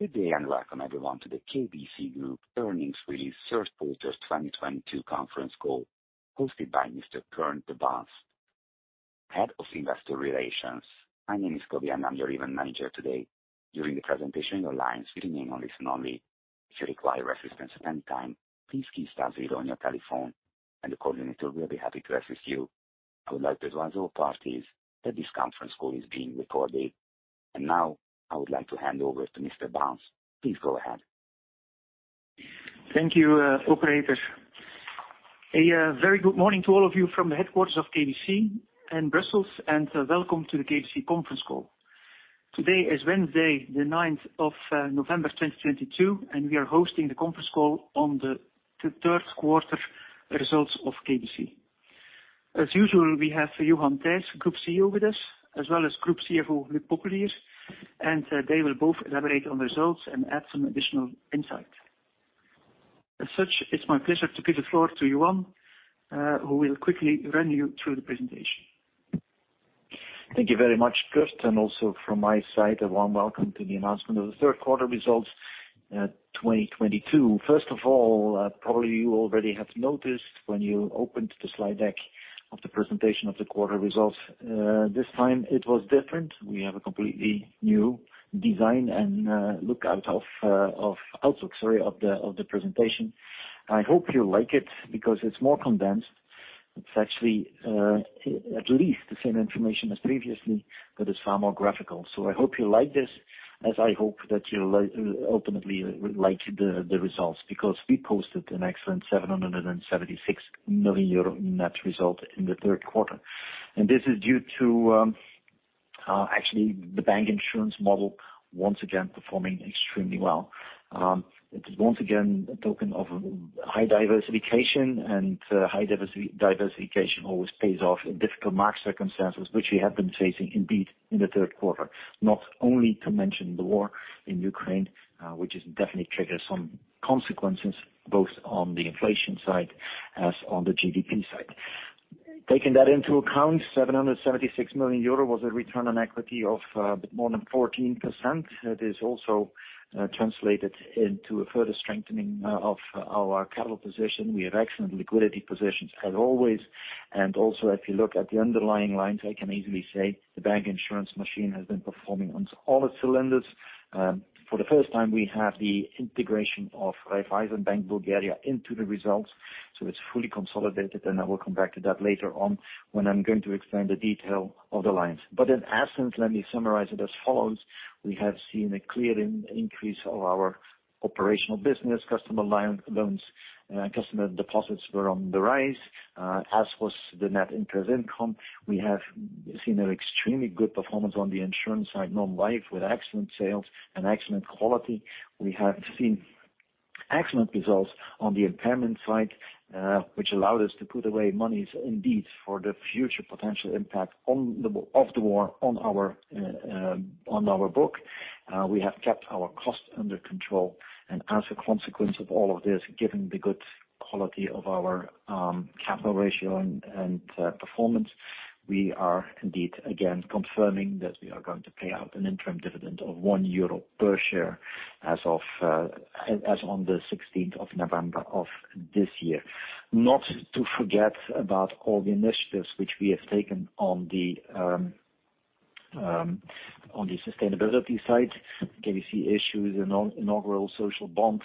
Good day and welcome everyone to the KBC Group earnings release 1/3 1/4 2022 conference call hosted by Mr. Kurt De Baenst, Head of Investor Relations. My name is Cody, and I'm your event manager today. During the presentation on your lines, you remain on listen only. If you require assistance at any time, please key star zero on your telephone and the coordinator will be happy to assist you. I would like to advise all parties that this conference call is being recorded. Now I would like to hand over to Mr. De Baenst. Please go ahead. Thank you, operator. Very good morning to all of you from the headquarters of KBC in Brussels, and welcome to the KBC conference call. Today is Wednesday the ninth of November 2022, and we are hosting the conference call on the 1/3 1/4 results of KBC. As usual, we have Johan Thijs, Group CEO with us, as well as Group CFO, Luc Popelier. They will both elaborate on the results and add some additional insight. It's my pleasure to give the floor to Johan, who will quickly run you through the presentation. Thank you very much, Kurt. Also from my side, a warm welcome to the announcement of the 1/3 1/4 results, 2022. First of all, probably you already have noticed when you opened the slide deck of the presentation of the 1/4 results. This time it was different. We have a completely new design and look of the presentation. I hope you like it because it's more condensed. It's actually at least the same information as previously, but it's far more graphical. I hope you like this, as I hope that you'll ultimately like the results, because we posted an excellent 776 million euro net result in the 1/3 1/4. This is due to actually the bank insurance model once again performing extremely well. It is once again a token of high diversification, and high diversification always pays off in difficult market circumstances, which we have been facing indeed in the 1/3 1/4. Not only to mention the war in Ukraine, which has definitely triggered some consequences both on the inflation side as on the GDP side. Taking that into account, 776 million euro was a return on equity of but more than 14%. That is also translated into a further strengthening of our capital position. We have excellent liquidity positions as always. Also if you look at the underlying lines, I can easily say the bank insurance machine has been performing on all its cylinders. For the first time we have the integration of Raiffeisenbank (Bulgaria) into the results, so it's fully consolidated. I will come back to that later on when I'm going to explain the detail of the lines. In essence, let me summarize it as follows: we have seen a clear increase of our operational business, customer loans, customer deposits were on the rise, as was the net interest income. We have seen an extremely good performance on the insurance side, Non-Life, with excellent sales and excellent quality. We have seen excellent results on the impairment side, which allowed us to put away monies indeed for the future potential impact of the war on our book. We have kept our costs under control. As a consequence of all of this, given the good quality of our capital ratio and performance, we are indeed again confirming that we are going to pay out an interim dividend of 1 euro per share as on the 6teenth of November of this year. Not to forget about all the initiatives which we have taken on the sustainability side. KBC issues inaugural social bonds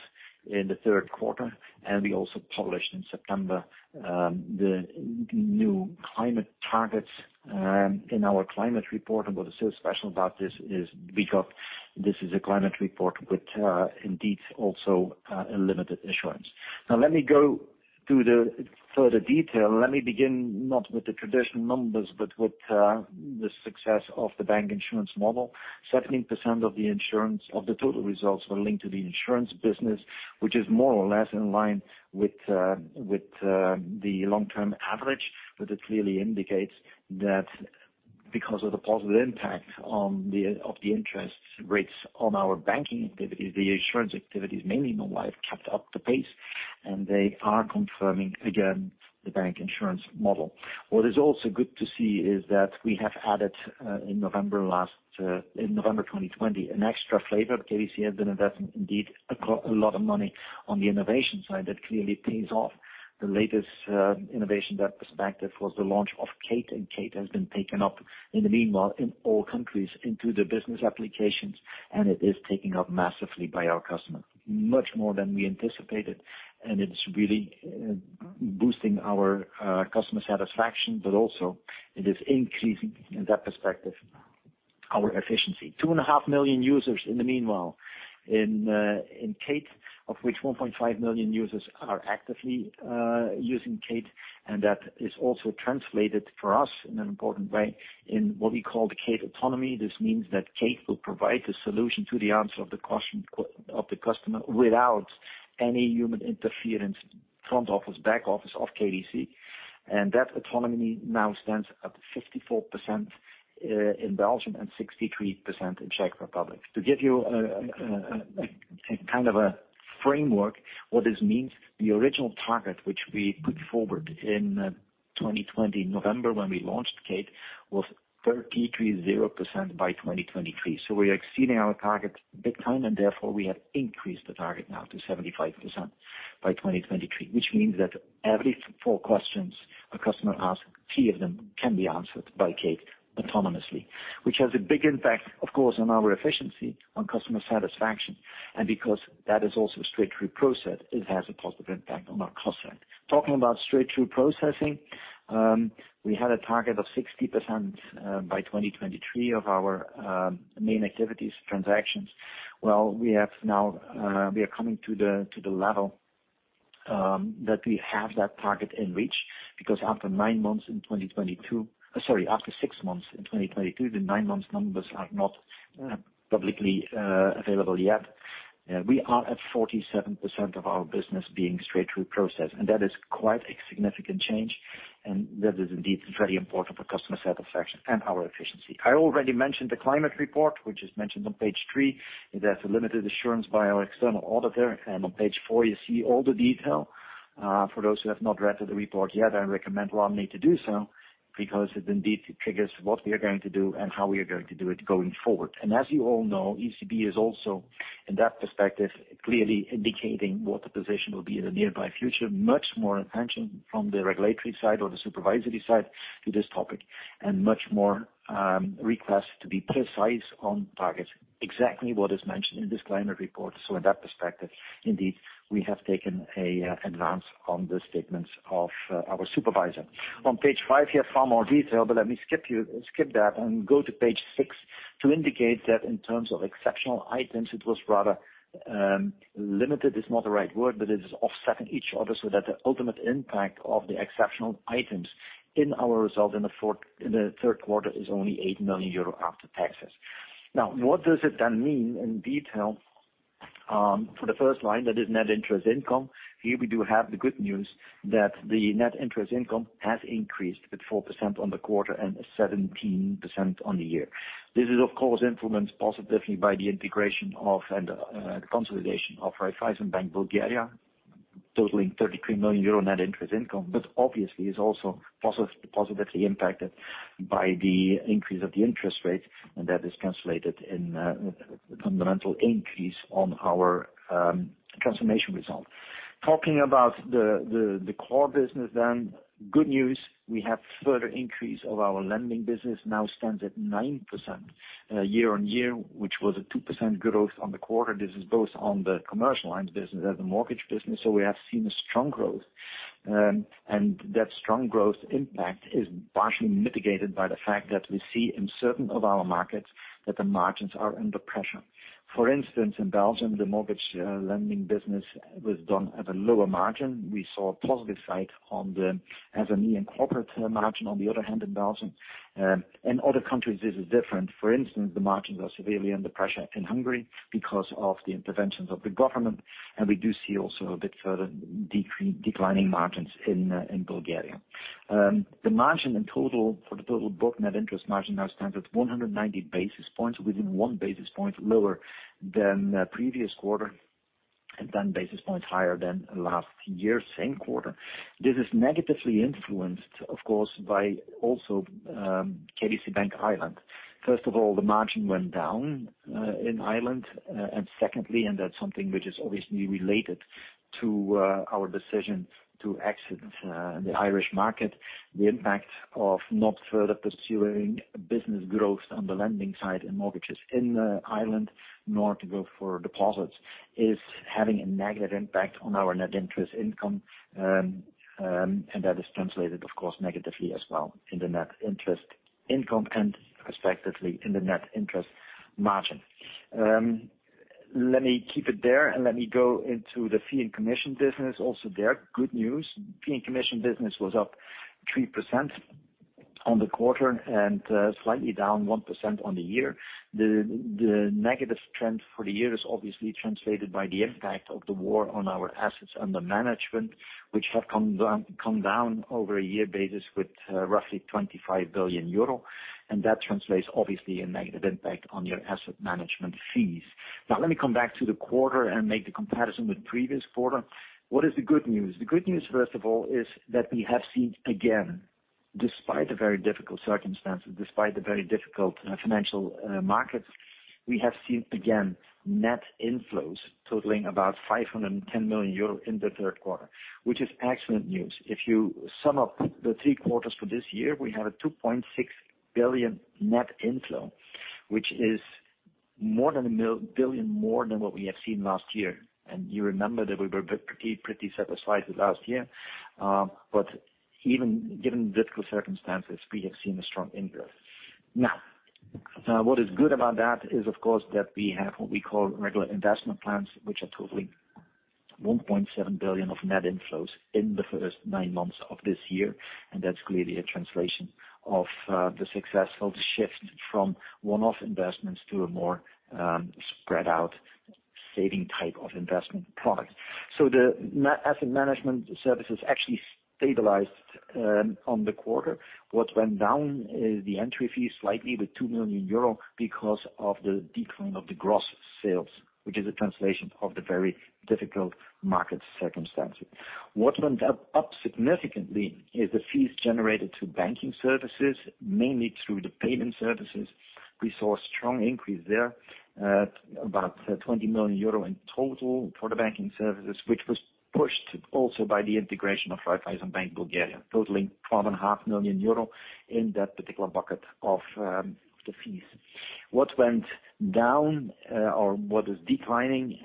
in the 1/3 1/4, and we also published in September the new climate targets in our climate report. What is so special about this is because this is a climate report with indeed also a limited assurance. Now let me go to the further detail. Let me begin not with the traditional numbers, but with the success of the bank insurance model. 17% of the total results were linked to the insurance business, which is more or less in line with the Long-Term average. It clearly indicates that because of the positive impact of the interest rates on our banking activities, the insurance activities, mainly Non-Life, kept up the pace and they are confirming again the bank insurance model. What is also good to see is that we have added in November 2020 an extra flavor. KBC has been investing indeed a lot of money on the innovation side. That clearly pays off. The latest innovation was the launch of Kate, and Kate has been taken up in the meanwhile in all countries into the business applications, and it is taken up massively by our customers, much more than we anticipated. It's really boosting our customer satisfaction, but also it is increasing in that perspective our efficiency. 2.5 million users in the meanwhile in Kate, of which 1.5 million users are actively using Kate. That is also translated for us in an important way in what we call the Kate autonomy. This means that Kate will provide the solution to the answer of the question of the customer without any human interference, front office, back office of KBC. That autonomy now stands at 54% in Belgium and 63% in Czech Republic. To give you a kind of framework. What this means, the original target, which we put forward in 2020 November when we launched Kate, was 33.0% by 2023. We are exceeding our target big time, and therefore we have increased the target now to 75% by 2023. Which means that every four questions a customer asks, 3 of them can be answered by Kate autonomously. Which has a big impact, of course, on our efficiency, on customer satisfaction. Because that is also a Straight-Through process, it has a positive impact on our cost center. Talking about Straight-Through processing, we had a target of 60% by 2023 of our main activities transactions. We have now we are coming to the level that we have that target in reach. Because after 6 months in 2022, the 9 months numbers are not publicly available yet. We are at 47% of our business being Straight-Through processing, and that is quite a significant change. That is indeed very important for customer satisfaction and our efficiency. I already mentioned the climate report, which is mentioned on page 3. It has a limited assurance by our external auditor. On page 4, you see all the detail. For those who have not read the report yet, I recommend warmly to do so because it indeed triggers what we are going to do and how we are going to do it going forward. As you all know, ECB is also, in that perspective, clearly indicating what the position will be in the near future. Much more attention from the regulatory side or the supervisory side to this topic, and much more requests to be precise on target. Exactly what is mentioned in this climate report. In that perspective, indeed, we have taken an advance on the statements of our supervisor. On page 5, you have far more detail, but let me skip that and go to page 6 to indicate that in terms of exceptional items, it was rather, limited is not the right word, but it is offsetting each other so that the ultimate impact of the exceptional items in our result in the 1/3 1/4 is only 8 million euro after taxes. Now, what does it then mean in detail, for the first line, that is net interest income. Here we do have the good news that the net interest income has increased at 4% on the 1/4 and 17% on the year. This is, of course, influenced positively by the integration and the consolidation of Raiffeisenbank (Bulgaria), totaling 33 million euro net interest income. Obviously, it's also positively impacted by the increase of the interest rates, and that is translated in fundamental increase on our transformation result. Talking about the core business, good news, we have further increase of our lending business now stands at 9% year-on-year, which was a 2% growth on the 1/4. This is both on the commercial lines business and the mortgage business. We have seen a strong growth. That strong growth impact is partially mitigated by the fact that we see in certain of our markets that the margins are under pressure. For instance, in Belgium, the mortgage lending business was done at a lower margin. We saw a positive side on the SME and corporate margin. On the other hand, in Belgium, in other countries, this is different. For instance, the margins are severely under pressure in Hungary because of the interventions of the government, and we do see also a bit further declining margins in Bulgaria. The margin for the total book net interest margin now stands at 190 basis points, 1 basis point lower than the previous 1/4 and 10 basis points higher than last year's same 1/4. This is negatively influenced, of course, by also KBC Bank Ireland. First of all, the margin went down in Ireland. Secondly, and that's something which is obviously related to our decision to exit the Irish market. The impact of not further pursuing business growth on the lending side and mortgages in Ireland, nor to go for deposits, is having a negative impact on our net interest income. That is translated, of course, negatively as well in the net interest income and respectively in the net interest margin. Let me keep it there and let me go into the fee and commission business. Also there, good news. Fee and commission business was up 3% on the 1/4 and slightly down 1% on the year. The negative trend for the year is obviously translated by the impact of the war on our assets under management, which have come down over a year basis with roughly 25 billion euro, and that translates, obviously, a negative impact on your asset management fees. Now, let me come back to the 1/4 and make the comparison with previous 1/4. What is the good news? The good news, first of all, is that we have seen, again, despite the very difficult circumstances, despite the very difficult financial markets, we have seen, again, net inflows totaling about 510 million euro in the 1/3 1/4, which is excellent news. If you sum up the 3 quarters for this year, we have a 2.6 billion net inflow, which is more than a billion more than what we have seen last year. You remember that we were pretty satisfied with last year. Even given the difficult circumstances, we have seen a strong inflow. Now, what is good about that is, of course, that we have what we call regular investment plans, which are totaling 1.7 billion of net inflows in the first 9 months of this year. That's clearly a translation of the successful shift from one-off investments to a more spread out saving type of investment product. The asset management services actually stabilized on the 1/4. What went down is the entry fee slightly with 2 million euro because of the decline of the gross sales, which is a translation of the very difficult market circumstances. What went up significantly is the fees generated to banking services, mainly through the payment services. We saw a strong increase there at about 20 million euro in total for the banking services, which was pushed also by the integration of Raiffeisenbank (Bulgaria), totaling 12.5 million euro in that particular bucket of the fees. What went down or what is declining,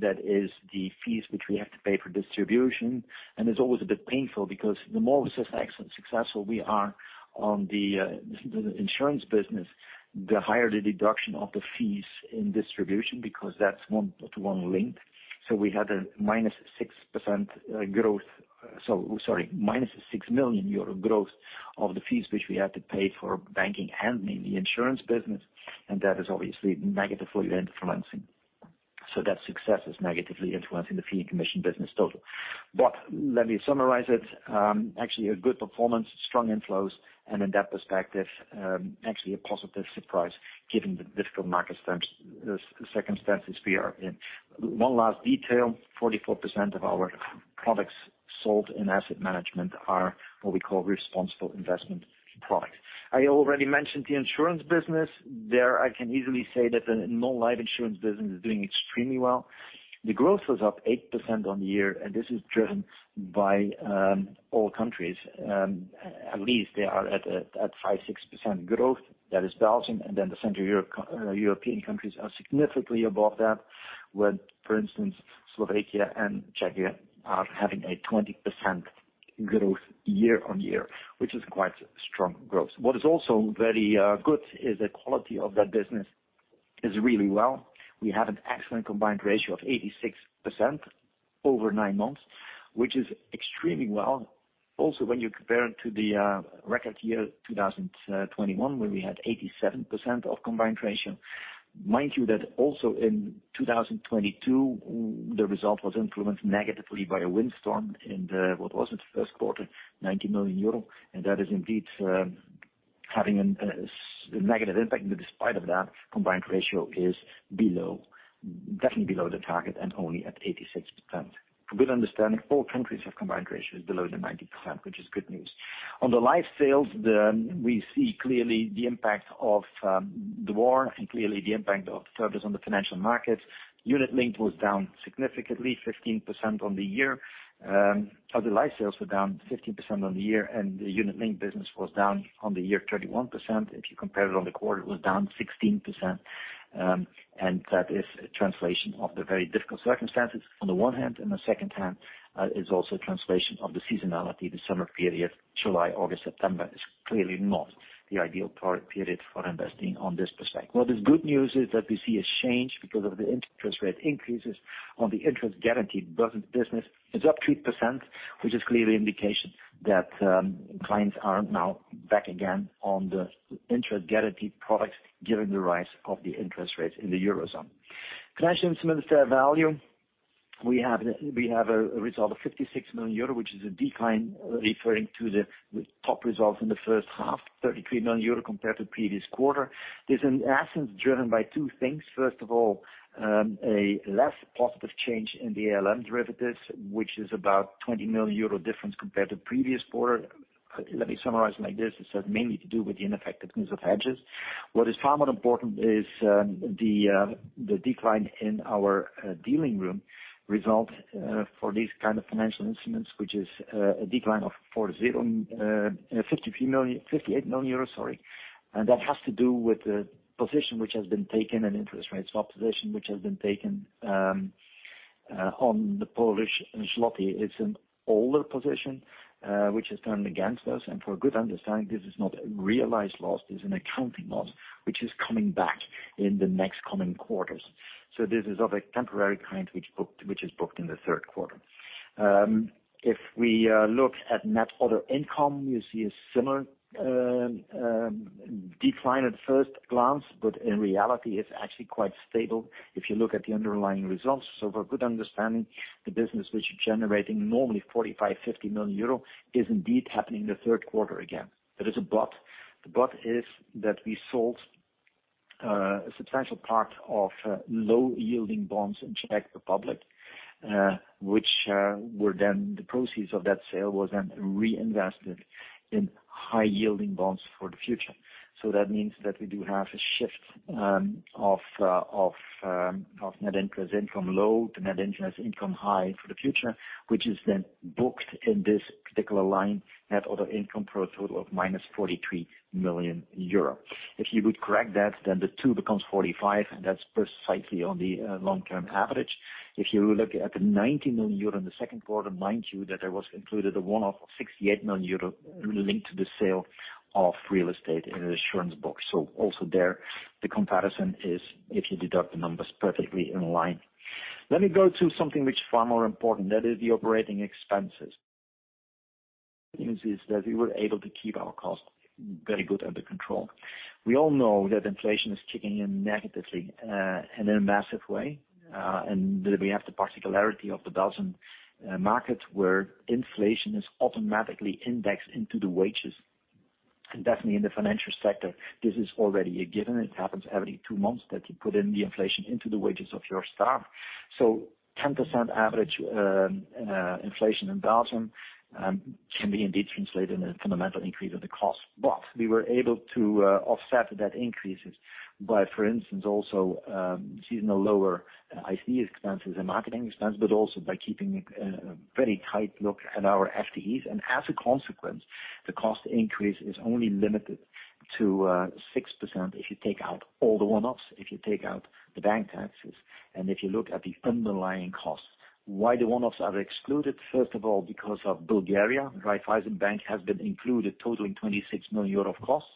that is the fees which we have to pay for distribution. It's always a bit painful because the more successful we are on the insurance business, the higher the deduction of the fees in distribution, because that's One-To-One link. We had a minus 6 million euro growth of the fees, which we had to pay for banking and mainly insurance business, and that is obviously negative for the end financing. That success is negatively influencing the fee and commission business total. Let me summarize it, actually a good performance, strong inflows, and in that perspective, actually a positive surprise given the difficult market circumstances we are in. One last detail, 44% of our products sold in asset management are what we call responsible investment products. I already mentioned the insurance business. There, I can easily say that the Non-Life insurance business is doing extremely well. The growth was up 8% year-on-year, and this is driven by all countries. At least they are at 5-6% growth. That is Belgium, and then the Central European countries are significantly above that, with, for instance, Slovakia and Czechia having a 20% growth year-on-year, which is quite strong growth. What is also very good is the quality of that business is really well. We have an excellent combined ratio of 86% over 9 months, which is extremely well. When you compare it to the record year 2021, where we had 87% of combined ratio. Mind you that also in 2022, the result was influenced negatively by a windstorm in the, what was it? First 1/4, 90 million euro. That is indeed having a negative impact. Despite of that, combined ratio is below, definitely below the target and only at 86%. With understanding, all countries have combined ratios below 90%, which is good news. On the life sales, we see clearly the impact of the war and clearly the impact of turbulence on the financial markets. Unit-linked was down significantly 15% on the year. Other life sales were down 15% on the year, and the unit-linked business was down on the year 31%. If you compare it on the 1/4, it was down 16%. That is a reflection of the very difficult circumstances on the one hand, and the other hand is also reflection of the seasonality. The summer period, July, August, September is clearly not the ideal period for investing from this perspective. What is good news is that we see a change because of the interest rate increases on the interest guaranteed business. It's up 3%, which is clearly indication that clients are now back again on the interest guaranteed products given the rise of the interest rates in the Eurozone. Financial instruments fair value, we have a result of 56 million euro, which is a decline referring to the top results in the first 1/2, 33 million euro compared to previous 1/4. This is in essence driven by 2 things. First of all, a less positive change in the ALM derivatives, which is about 20 million euro difference compared to previous 1/4. Let me summarize like this. It's mainly to do with the ineffectiveness of hedges. What is far more important is the decline in our dealing room result for these kind of financial instruments, which is a decline of 58 million euros, sorry. That has to do with the position which has been taken, an interest rate swap position which has been taken on the Polish zloty. It's an older position which has turned against us. For good understanding, this is not a realized loss, it's an accounting loss, which is coming back in the next coming quarters. This is of a temporary kind, which is booked in the 1/3 1/4. If we look at net other income, you see a similar decline at first glance, but in reality, it's actually quite stable if you look at the underlying results. For good understanding, the business which generating normally 45-50 million euro is indeed happening in the 1/3 1/4 again. There is a but. The but is that we sold a substantial part of low-yielding bonds in Czech Republic, which were then the proceeds of that sale was then reinvested in high-yielding bonds for the future. That means that we do have a shift of net interest income low to net interest income high for the future, which is then booked in this particular line, net other income for a total of minus 43 million euro. If you would correct that, then the 2 becomes 45, and that's precisely on the Long-Term average. If you look at the 90 million euro in the second 1/4, mind you that there was included a One-Off of 68 million euro linked to the sale of real estate in an insurance book. Also there the comparison is if you deduct the numbers perfectly in line. Let me go to something which is far more important. That is the operating expenses. Is that we were able to keep our cost very good under control. We all know that inflation is kicking in negatively in a massive way, and that we have the particularity of the Belgian markets where inflation is automatically indexed into the wages. Definitely in the financial sector, this is already a given. It happens every 2 months that you put in the inflation into the wages of your staff. 10% average inflation in Belgium can be indeed translated in a fundamental increase of the cost. We were able to offset that increases by, for instance, also, seasonal lower ICT expenses and marketing expense, but also by keeping a very tight look at our FTEs and as a consequence, the cost increase is only limited to 6% if you take out all the One-Offs, if you take out the bank taxes, and if you look at the underlying costs. Why the One-Offs are excluded? First of all, because of Bulgaria. Raiffeisenbank (Bulgaria) has been included totaling 26 million euro of costs.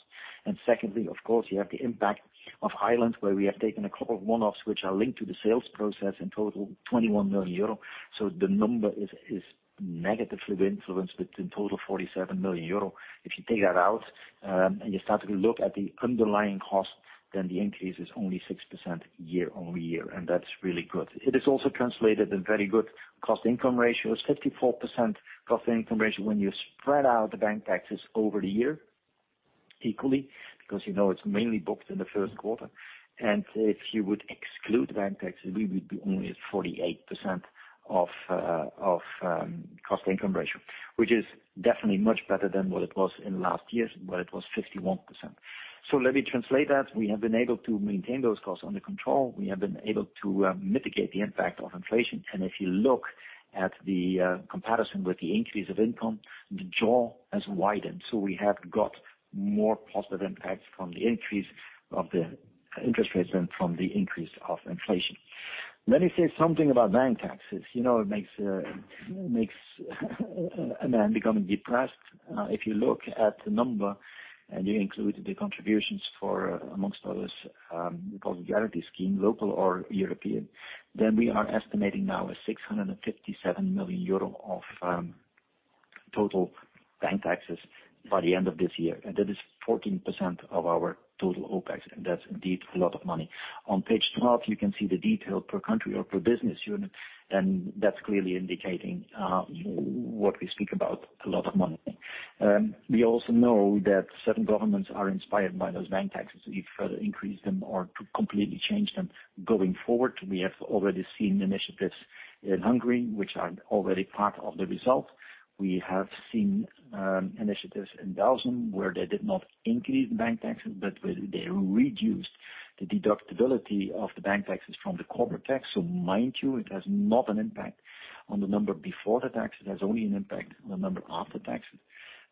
Secondly, of course, you have the impact of Ireland, where we have taken a couple of One-Offs, which are linked to the sales process in total 21 million euro. The number is negatively influenced with the total 47 million euro. If you take that out, and you start to look at the underlying cost, then the increase is only 6% year-over-year, and that's really good. It is also translated in very good cost income ratios, 54% cost income ratio when you spread out the bank taxes over the year equally, because you know, it's mainly booked in the first 1/4. If you would exclude bank taxes, we would be only at 48% of cost income ratio, which is definitely much better than what it was in last years, where it was 51%. Let me translate that. We have been able to maintain those costs under control. We have been able to mitigate the impact of inflation. If you look at the comparison with the increase of income, the jaws has widened. We have got more positive impacts from the increase of the interest rates than from the increase of inflation. Let me say something about bank taxes. You know, it makes a man becoming depressed. If you look at the number and you include the contributions for, amongst others, deposit guarantee scheme, local or European, then we are estimating now 657 million euro of total bank taxes by the end of this year. That is 14% of our total OPEX, and that's indeed a lot of money. On page 12, you can see the detail per country or per business unit, and that's clearly indicating what we speak about, a lot of money. We also know that certain governments are inspired by those bank taxes to either further increase them or to completely change them going forward. We have already seen initiatives in Hungary which are already part of the result. We have seen initiatives in Belgium, where they did not increase bank taxes, but where they reduced the deductibility of the bank taxes from the corporate tax. Mind you, it has not an impact on the number before the taxes, it has only an impact on the number after taxes.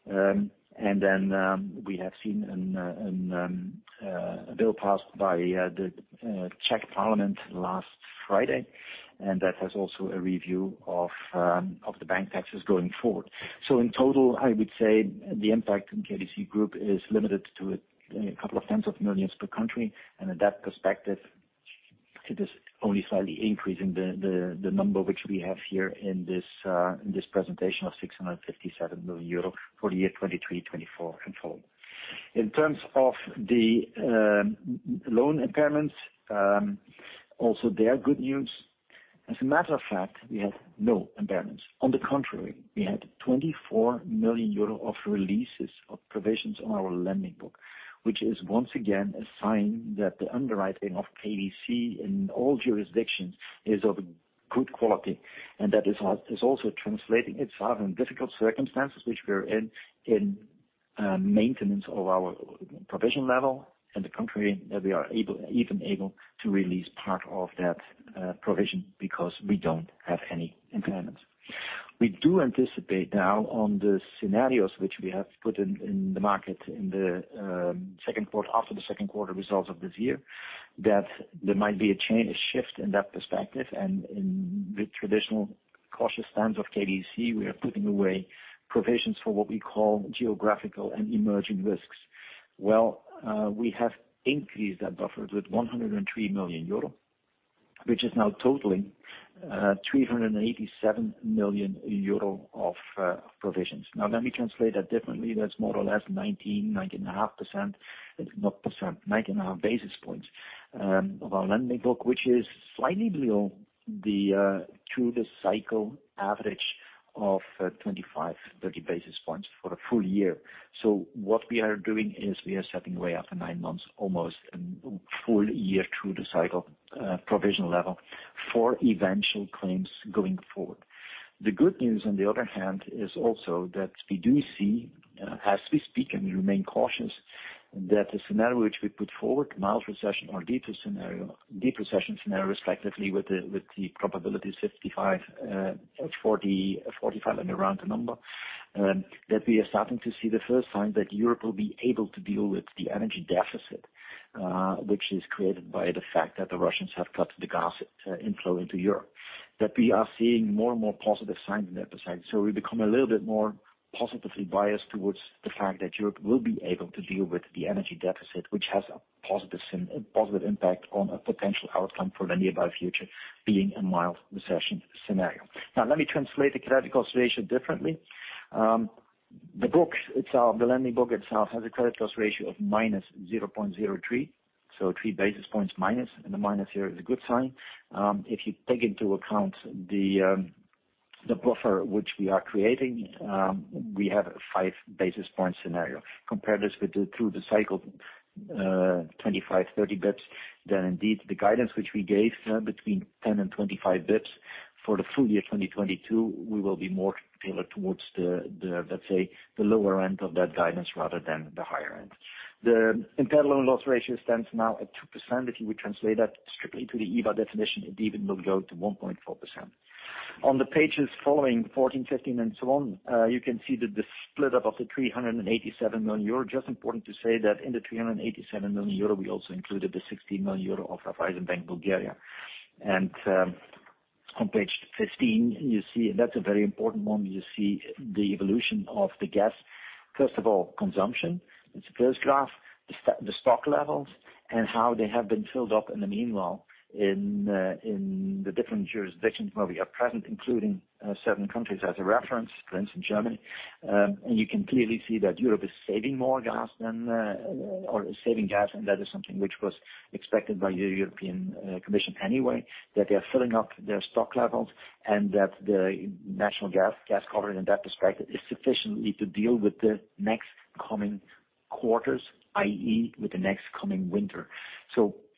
We have seen a bill passed by the Czech parliament last Friday, and that has also a review of the bank taxes going forward. In total, I would say the impact on KBC Group is limited to, you know, a couple of tens of millions EUR per country. In that perspective, it is only slightly increasing the number which we have here in this presentation of 657 million euro for the year 2023, 2024 and forward. In terms of the loan impairments, also they are good news. As a matter of fact, we have no impairments. On the contrary, we had 24 million euro of releases of provisions on our lending book, which is once again a sign that the underwriting of KBC in all jurisdictions is of good quality. That is also translating itself in difficult circumstances, which we're in maintenance of our provision level. On the contrary, that we are able to release part of that provision because we don't have any impairments. We do anticipate now on the scenarios which we have put in the market in the second 1/4 after the second 1/4 results of this year, that there might be a change, a shift in that perspective. In the traditional cautious stance of KBC, we are putting away provisions for what we call geographical and emerging risks. We have increased that buffer with 103 million euro, which is now totaling 387 million euro of provisions. Now, let me translate that differently. That's more or less 19.5%. It's not percent, 19.5 basis points of our lending book, which is slightly below the Through-The-Cycle average of 25-30 basis points for a full year. What we are doing is we are setting way after 9 months, almost a full year through the cycle, provision level for eventual claims going forward. The good news, on the other hand, is also that we do see, as we speak, and we remain cautious, that the scenario which we put forward, mild recession or deeper scenario, deep recession scenario, respectively, with the probability 65%, 40%, 45% and around the number, that we are starting to see the first sign that Europe will be able to deal with the energy deficit, which is created by the fact that the Russians have cut the gas, inflow into Europe. That we are seeing more and more positive signs on that side. We become a little bit more positively biased towards the fact that Europe will be able to deal with the energy deficit, which has a positive impact on a potential outcome for the nearby future being a mild recession scenario. Now, let me translate the credit consideration differently. The book itself, the lending book itself has a credit loss ratio of -0.03. So 3 basis points minus, and the minus here is a good sign. If you take into account the buffer which we are creating, we have a 5 basis points scenario. Compare this with the Through-The-Cycle 25-30 basis points. Then indeed, the guidance which we gave between 10 and 25 basis points for the full year 2022, we will be more tailored towards the, let's say, the lower end of that guidance rather than the higher end. The impaired loan loss ratio stands now at 2%. If you would translate that strictly to the EBA definition, it even will go to 1.4%. On the pages following 14, 15 and so on, you can see that the split up of the 387 million euro. Just important to say that in the 387 million euro, we also included the 60 million euro of Raiffeisenbank (Bulgaria). On page 15, you see that's a very important one. You see the evolution of the gap. First of all, consumption. It's the first graph, the stock levels and how they have been filled up in the meanwhile in the different jurisdictions where we are present, including certain countries as a reference, for instance, Germany. You can clearly see that Europe is saving more gas than or is saving gas. That is something which was expected by the European Commission anyway. They are filling up their stock levels and the national gas covered in that perspective is sufficient to deal with the next coming quarters, i.e., with the next coming winter.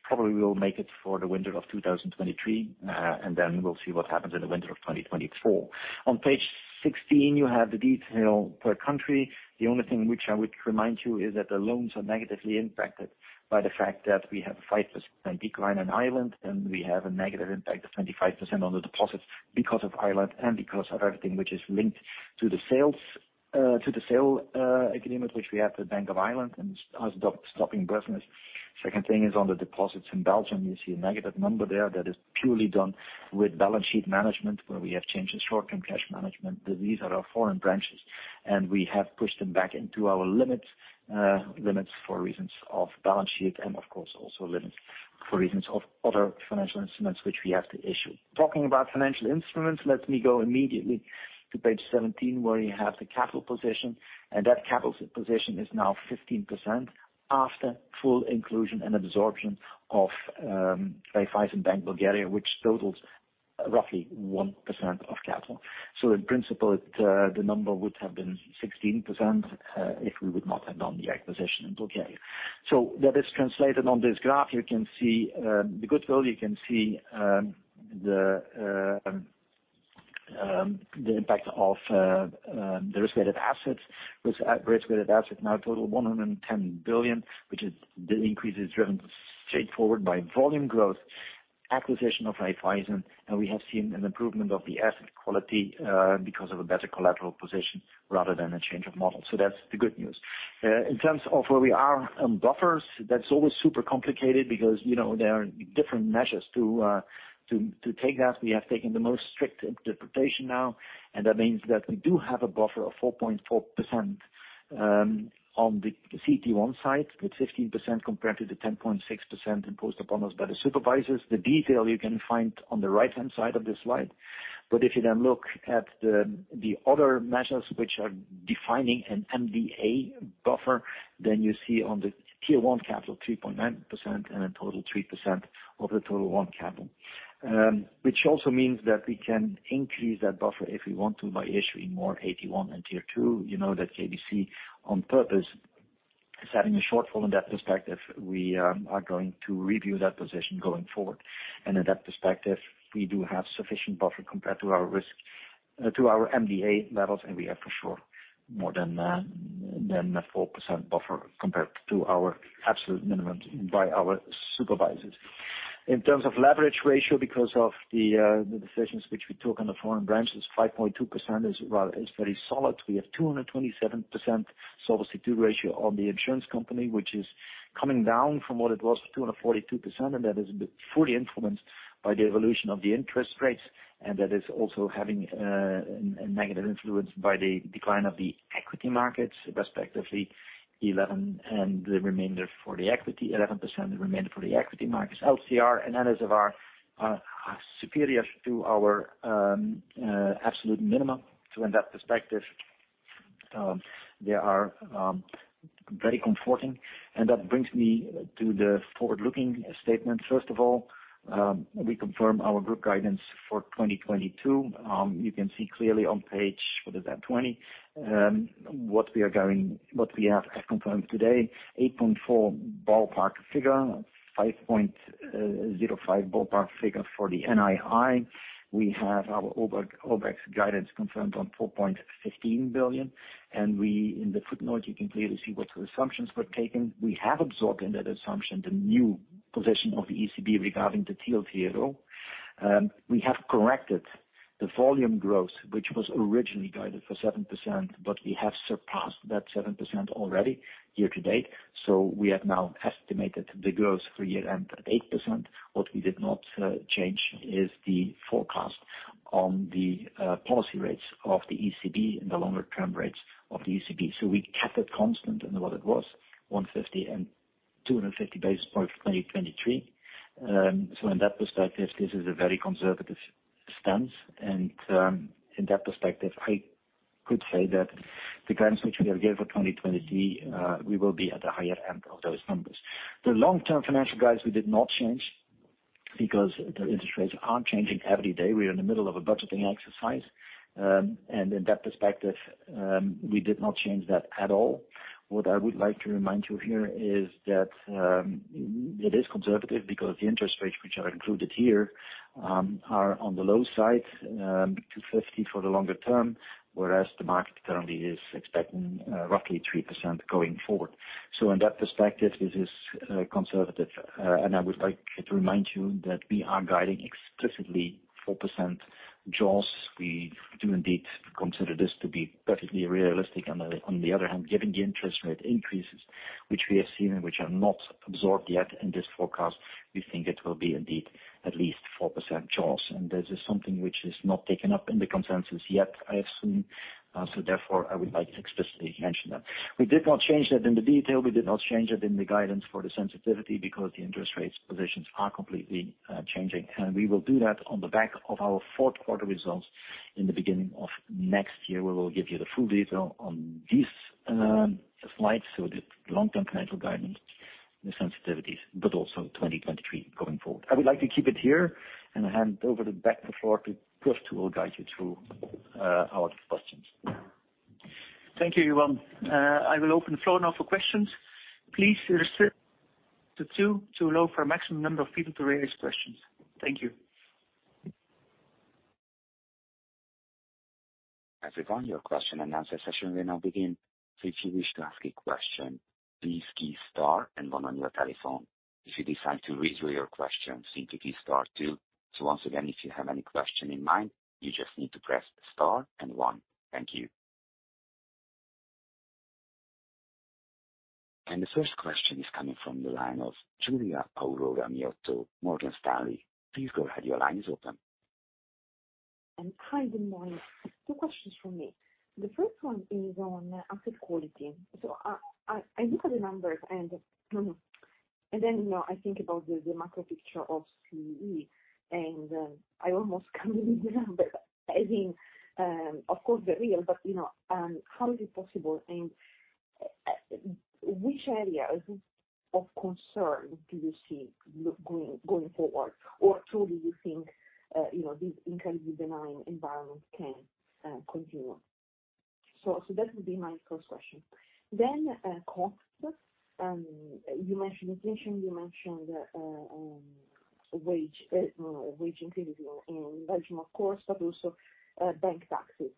Probably we'll make it for the winter of 2023, and then we'll see what happens in the winter of 2024. On page 16, you have the detail per country. The only thing which I would remind you is that the loans are negatively impacted by the fact that we have a 5% decline in Ireland, and we have a negative impact of 25% on the deposits because of Ireland and because of everything which is linked to the sale agreement which we have with Bank of Ireland and the sale of our deposit business. Second thing is on the deposits in Belgium, you see a negative number there that is purely done with balance sheet management, where we have changes Short-Term cash management. These are our foreign branches, and we have pushed them back into our limits for reasons of balance sheet and of course also for reasons of other financial instruments which we have to issue. Talking about financial instruments, let me go immediately to page 17, where you have the capital position, and that capital position is now 15% after full inclusion and absorption of Raiffeisenbank (Bulgaria), which totals roughly 1% of capital. In principle, the number would have been 16%, if we would not have done the acquisition in Bulgaria. That is translated on this graph. You can see the goodwill, you can see the impact of the Risk-Weighted assets. With risk-weighted assets now totaling 110 billion, the increase is driven straightforward by volume growth, acquisition of Raiffeisenbank (Bulgaria), and we have seen an improvement of the asset quality because of a better collateral position rather than a change of model. That's the good news. In terms of where we are on buffers, that's always super complicated because, you know, there are different measures to take that. We have taken the most strict interpretation now, and that means that we do have a buffer of 4.4% on the CT1 side, with 15% compared to the 10.6% imposed upon us by the supervisors. The detail you can find on the right-hand side of the slide, but if you then look at the other measures which are defining an MDA buffer, then you see on the Tier 1 capital, 3.9% and a total 3% of the total Tier 1 capital. Which also means that we can increase that buffer if we want to by issuing more AT1 and Tier 2. You know that KBC on purpose is having a shortfall in that perspective. We are going to review that position going forward. In that perspective, we do have sufficient buffer compared to our risk to our MDA levels, and we have for sure more than the 4% buffer compared to our absolute minimum by our supervisors. In terms of leverage ratio, because of the decisions which we took on the foreign branches, 5.2% is rather very solid. We have 227% Solvency II ratio on the insurance company, which is coming down from what it was, 242%, and that is fully influenced by the evolution of the interest rates, and that is also having a negative influence by the decline of the equity markets, respectively 11% and the remainder for the equity markets. LCR and NSFR are superior to our absolute minimum. In that perspective, they are very comforting. That brings me to the Forward-Looking statement. First of all, we confirm our group guidance for 2022. You can see clearly on page 20, what we have confirmed today, 8.4 ballpark figure, 5.05 ballpark figure for the NII. We have our OBEG guidance confirmed on 4.15 billion. In the footnote, you can clearly see what the assumptions were taken. We have absorbed in that assumption the new position of the ECB regarding the TLTRO at all. We have corrected the volume growth, which was originally guided for 7%, but we have surpassed that 7% already year to date. We have now estimated the growth for year-end at 8%. What we did not change is the forecast on the policy rates of the ECB and the longer term rates of the ECB. We kept it constant than what it was, 150 and 250 basis points for 2023. In that perspective, this is a very conservative stance. In that perspective, I could say that the guidance which we have given for 2023, we will be at the higher end of those numbers. The Long-Term financial guidance we did not change because the interest rates are changing every day. We are in the middle of a budgeting exercise. In that perspective, we did not change that at all. What I would like to remind you here is that, it is conservative because the interest rates which are included here, are on the low side, 2.50% for the longer term, whereas the market currently is expecting, roughly 3% going forward. In that perspective, this is conservative. I would like to remind you that we are guiding explicitly 4% jaws. We do indeed consider this to be perfectly realistic. On the other hand, given the interest rate increases which we are seeing, which are not absorbed yet in this forecast, we think it will be indeed at least 4% jaws. This is something which is not taken up in the consensus yet, I assume. Therefore, I would like to explicitly mention that. We did not change that in the detail. We did not change it in the guidance for the sensitivity because the interest rates positions are completely changing. We will do that on the back of our fourth 1/4 results in the beginning of next year, where we'll give you the full detail on these slides. The Long-Term financial guidance, the sensitivities, but also 2023 going forward. I would like to keep it here and hand the floor back to Kurt De Baenst, who will guide you through our questions. Thank you, everyone. I will open the floor now for questions. Please restrict to 2 to allow for a maximum number of people to raise questions. Thank you. Everyone, your question and answer session will now begin. If you wish to ask a question, please key star and one on your telephone. If you decide to withdraw your question, simply key star 2. Once again, if you have any question in mind, you just need to press star and one. Thank you. The first question is coming from the line of Giulia Aurora Miotto, Morgan Stanley. Please go ahead. Your line is open. Hi, good morning. 2 questions from me. The first one is on asset quality. I look at the numbers and then, you know, I think about the macro picture of CE. I almost come in, but I think of course they're real, but you know how is it possible, and which areas of concern do you see going forward? Or truly you think you know this incredibly benign environment can continue? That would be my first question. Cost. You mentioned inflation, you mentioned wage increases in Belgium, of course, but also bank taxes.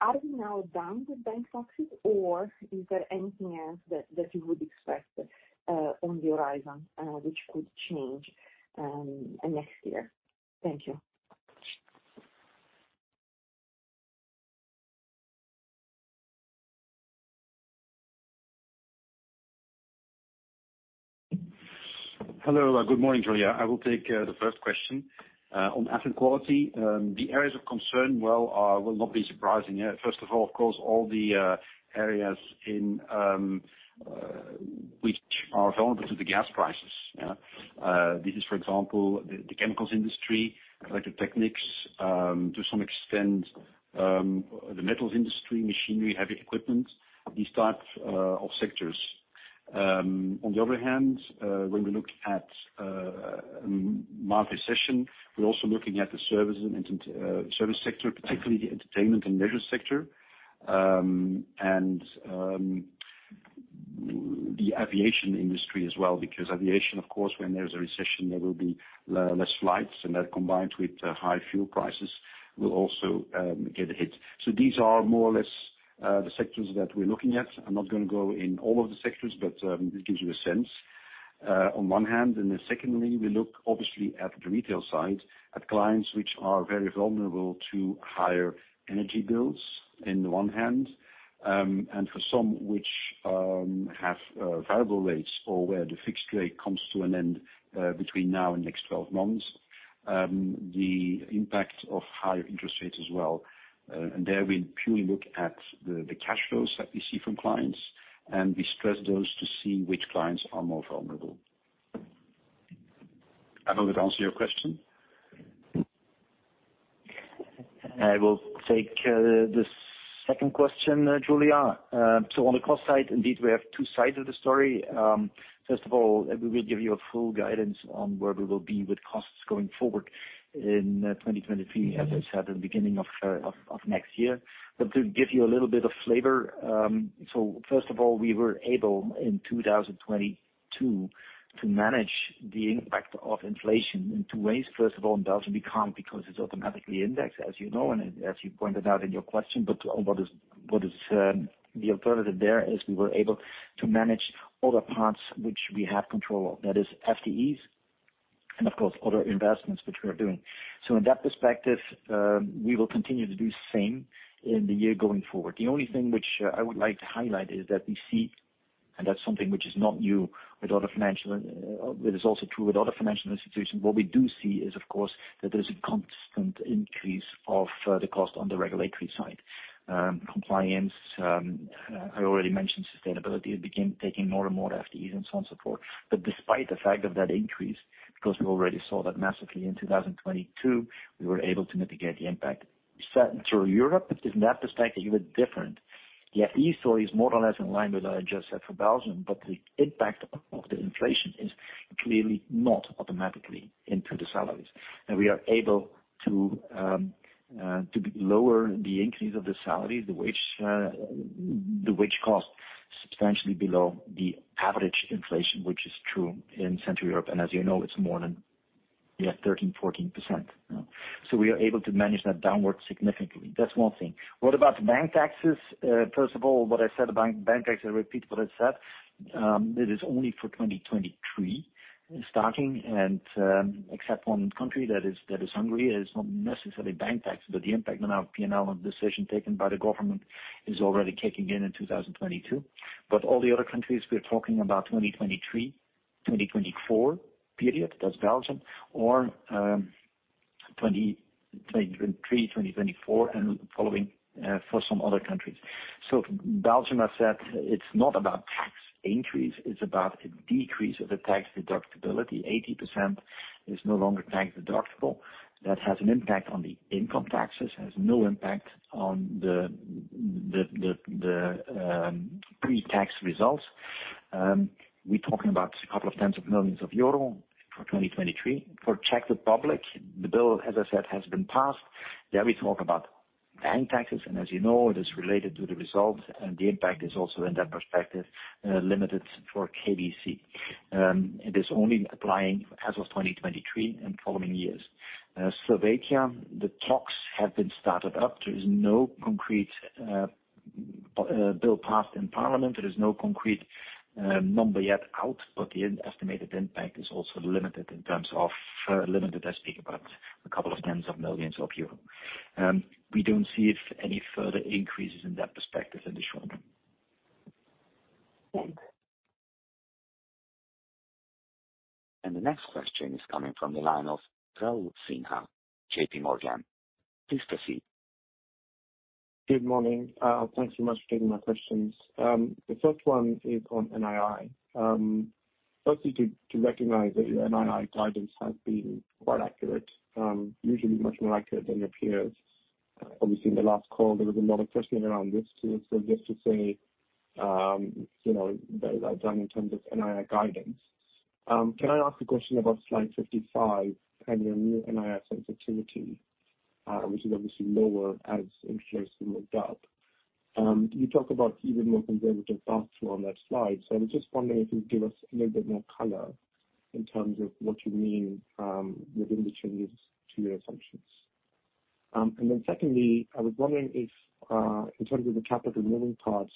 Are we now done with bank taxes or is there anything else that you would expect on the horizon which could change next year? Thank you. Hello. Good morning, Giulia. I will take the first question. On asset quality, the areas of concern, well, will not be surprising. First of all, of course, all the areas which are vulnerable to the gas prices. This is, for example, the chemicals industry, electrical equipment, to some extent, the metals industry, machinery, heavy equipment, these types of sectors. On the other hand, when we look at mild recession, we're also looking at the service sector, particularly the entertainment and leisure sector. And the aviation industry as well, because aviation, of course, when there's a recession, there will be less flights, and that combined with high fuel prices will also get a hit. These are more or less the sectors that we're looking at. I'm not gonna go in all of the sectors, but it gives you a sense on one hand. Then secondly, we look obviously at the retail side, at clients which are very vulnerable to higher energy bills on the one hand. And for some which have variable rates or where the fixed rate comes to an end between now and next twelve months the impact of higher interest rates as well. And there we purely look at the cash flows that we see from clients, and we stress those to see which clients are more vulnerable. I hope that answered your question. I will take the second question, Giulia. On the cost side, indeed, we have 2 sides of the story. First of all, we will give you a full guidance on where we will be with costs going forward in 2023, as I said, in the beginning of next year. To give you a little bit of flavor, first of all, we were able, in 2022, to manage the impact of inflation in 2 ways. First of all, in Belgium, we can't because it is automatically indexed, as you know, and as you pointed out in your question. The alternative there is, we were able to manage other parts which we have control of. That is FTEs and of course other investments which we are doing. In that perspective, we will continue to do the same in the year going forward. The only thing which I would like to highlight is that we see, and that's something which is not new with other financial institutions, what we do see is, of course, that there is a constant increase of the cost on the regulatory side. Compliance, I already mentioned sustainability. It is taking more and more FTEs and so on support. Despite the fact of that increase, because we already saw that massively in 2022, we were able to mitigate the impact. Central Europe is in that perspective even different. The East is more or less in line with what I just said for Belgium, but the impact of the inflation is clearly not automatically into the salaries. We are able to lower the increase of the salary, the wage cost substantially below the average inflation, which is true in Central Europe. As you know, it's more than 13, 14%. We are able to manage that downward significantly. That's one thing. What about bank taxes? First of all, what I said about bank taxes, I repeat what I said. It is only for 2023 starting and, except one country that is Hungary. It's not necessarily bank tax, but the impact on our P&L of the decision taken by the government is already kicking in 2022. All the other countries, we're talking about 2023-2024 period. That's Belgium or, 2023-2024 and following, for some other countries. Belgium has said it's not about tax increase, it's about a decrease of the tax deductibility. 80% is no longer Tax-Deductible. That has an impact on the income taxes. It has no impact on the Pre-tax results. We're talking about a couple of tens of millions EUR for 2023. For Czech Republic, the bill, as I said, has been passed. There we talk about bank taxes, and as you know, it is related to the results, and the impact is also in that perspective, limited for KBC. It is only applying as of 2023 and following years. Slovakia, the talks have been started up. There is no concrete bill passed in parliament. There is no concrete number yet out, but the estimated impact is also limited in terms of, I speak about a couple of tens of millions of EUR. We don't see any further increases in that perspective in the short term. Thank you. The next question is coming from the line of Sharath Kumar, J.P. Morgan. Please proceed. Good morning. Thanks so much for taking my questions. The first one is on NII. Firstly, to recognize that your NII guidance has been quite accurate, usually much more accurate than your peers. Obviously, in the last call, there was a lot of questioning around this too. Just to say, you know, well done in terms of NII guidance. Can I ask a question about slide 55 and your new NII sensitivity, which is obviously lower as inflation moved up. You talk about even more comparative pass-through on that slide. I'm just wondering if you could give us a little bit more color in terms of what you mean, within the changes to your assumptions. Secondly, I was wondering if, in terms of the capital moving parts,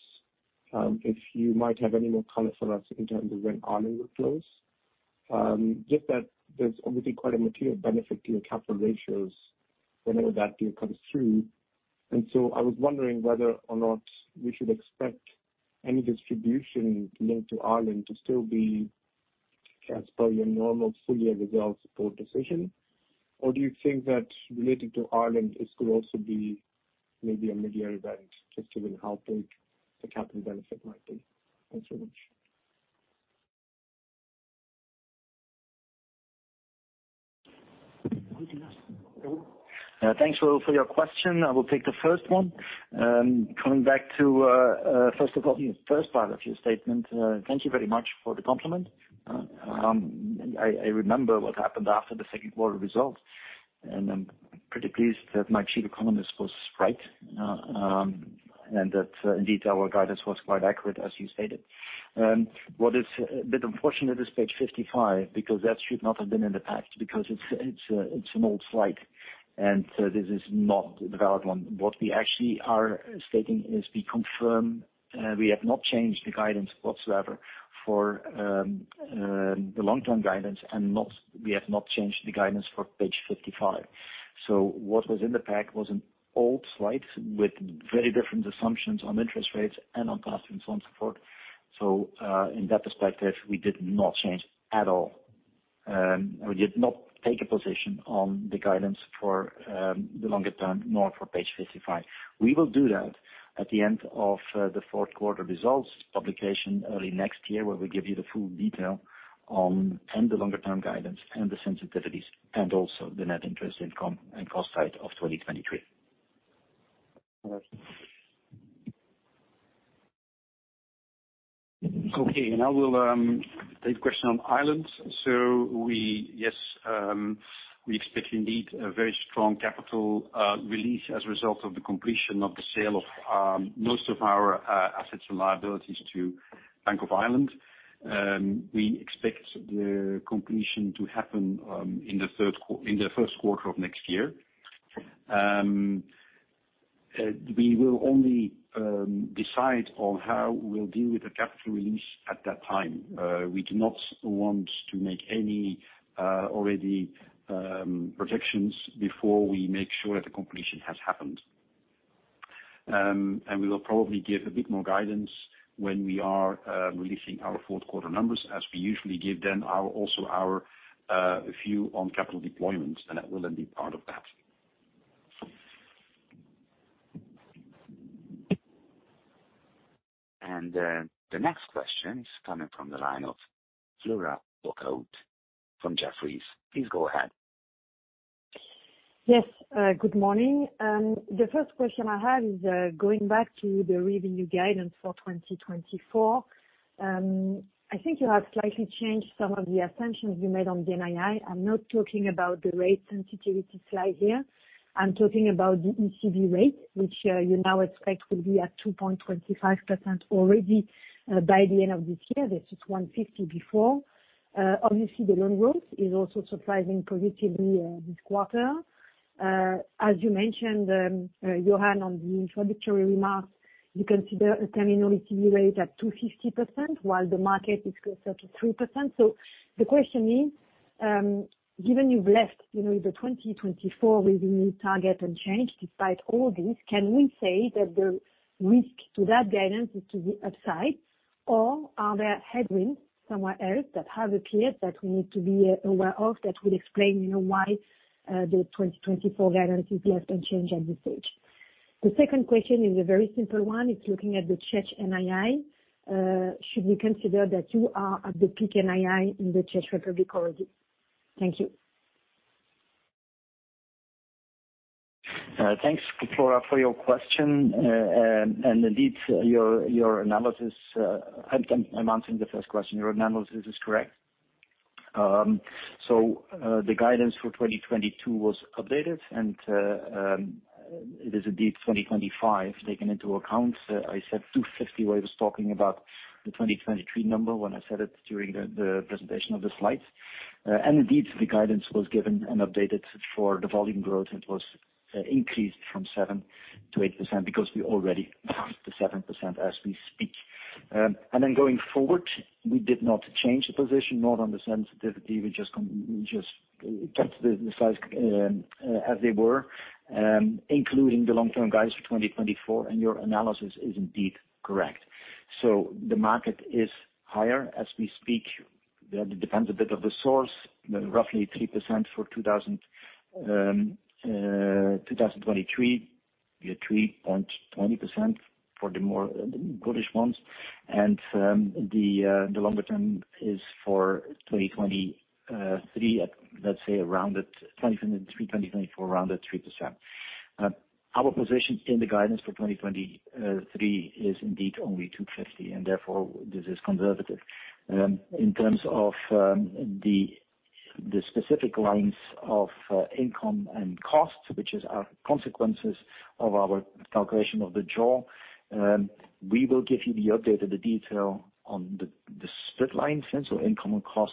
if you might have any more color for us in terms of when Ireland will close. Just that there's obviously quite a material benefit to your capital ratios whenever that deal comes through. I was wondering whether or not we should expect any distribution linked to Ireland to still be as per your normal full year results board decision. Do you think that related to Ireland, this could also be maybe a mid-year event, just given how big the capital benefit might be? Thanks so much. Thanks, Sharath Kumar, for your question. I will take the first one. Coming back to, first of all, first part of your statement, thank you very much for the compliment. I remember what happened after the second 1/4 results, and I'm pretty pleased that my chief economist was right. That indeed, our guidance was quite accurate, as you stated. What is a bit unfortunate is page 55, because that should not have been in the pack because it's an old slide, and this is not the relevant one. What we actually are stating is we confirm, we have not changed the guidance whatsoever for the Long-Term guidance, and we have not changed the guidance for page 55. What was in the pack was an old slide with very different assumptions on interest rates and on pass-throughs and so on and so forth. In that perspective, we did not change at all. We did not take a position on the guidance for the longer term, nor for page 55. We will do that at the end of the fourth 1/4 results publication early next year, where we give you the full detail on and the longer term guidance and the sensitivities and also the net interest income and cost side of 2023. Okay. Now we'll take a question on Ireland. We expect indeed a very strong capital release as a result of the completion of the sale of most of our assets and liabilities to Bank of Ireland. We expect the completion to happen in the first 1/4 of next year. We will only decide on how we'll deal with the capital release at that time. We do not want to make any already projections before we make sure that the completion has happened. We will probably give a bit more guidance when we are releasing our fourth 1/4 numbers, as we usually give then our view on capital deployment. That will then be part of that. The next question is coming from the line of Flora Bocahut from Jefferies. Please go ahead. Yes, good morning. The first question I have is going back to the revenue guidance for 2024. I think you have slightly changed some of the assumptions you made on the NII. I'm not talking about the rate sensitivity slide here. I'm talking about the ECB rate, which you now expect will be at 2.25% already by the end of this year. That's just 1.50% before. Obviously, the loan growth is also surprising positively this 1/4. As you mentioned, Johan, on the introductory remarks, you consider a terminal ECB rate at 2.50% while the market is closer to 3%. The question is, given you've left, you know, the 2024 revenue target unchanged, despite all this, can we say that the risk to that guidance is to the upside or are there headwinds somewhere else that have appeared that we need to be aware of that would explain, you know, why the 2024 guidance is left unchanged at this stage? The second question is a very simple one. It's looking at the Czech NII. Should we consider that you are at the peak NII in the Czech Republic already? Thank you. Thanks, Flora, for your question. Indeed your analysis. I'm answering the first question. Your analysis is correct. The guidance for 2022 was updated, and it is indeed 2025 taken into account. I said 250 when I was talking about the 2023 number when I said it during the presentation of the slides. Indeed, the guidance was given and updated for the volume growth. It was increased from 7%-8% because we're already past the 7% as we speak. Going forward, we did not change the position, not on the sensitivity. We just kept the slides as they were, including the Long-Term guidance for 2024, and your analysis is indeed correct. The market is higher as we speak. That depends a bit on the source. Roughly 3% for 2023. Yeah, 3.20% for the more bullish ones. The longer term is for 2023 at, let's say around that 2023, 2024, around that 3%. Our position in the guidance for 2023 is indeed only 2.50%, and therefore, this is conservative. In terms of the specific lines of income and costs, which are the consequences of our calculation of the draw, we will give you the update of the details on the split lines of income and cost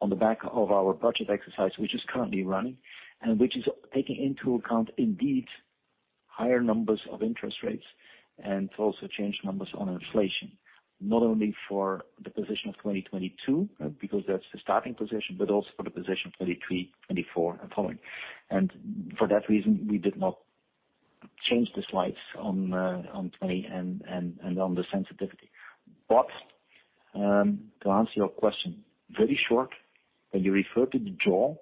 on the back of our budget exercise, which is currently running and which is taking into account indeed higher interest rates and also changed numbers on inflation, not only for the position of 2022, because that's the starting position, but also for the position of 2023, 2024 and following. For that reason, we did not change the slides on 2020 and on the sensitivity. To answer your question very short, when you refer to the draw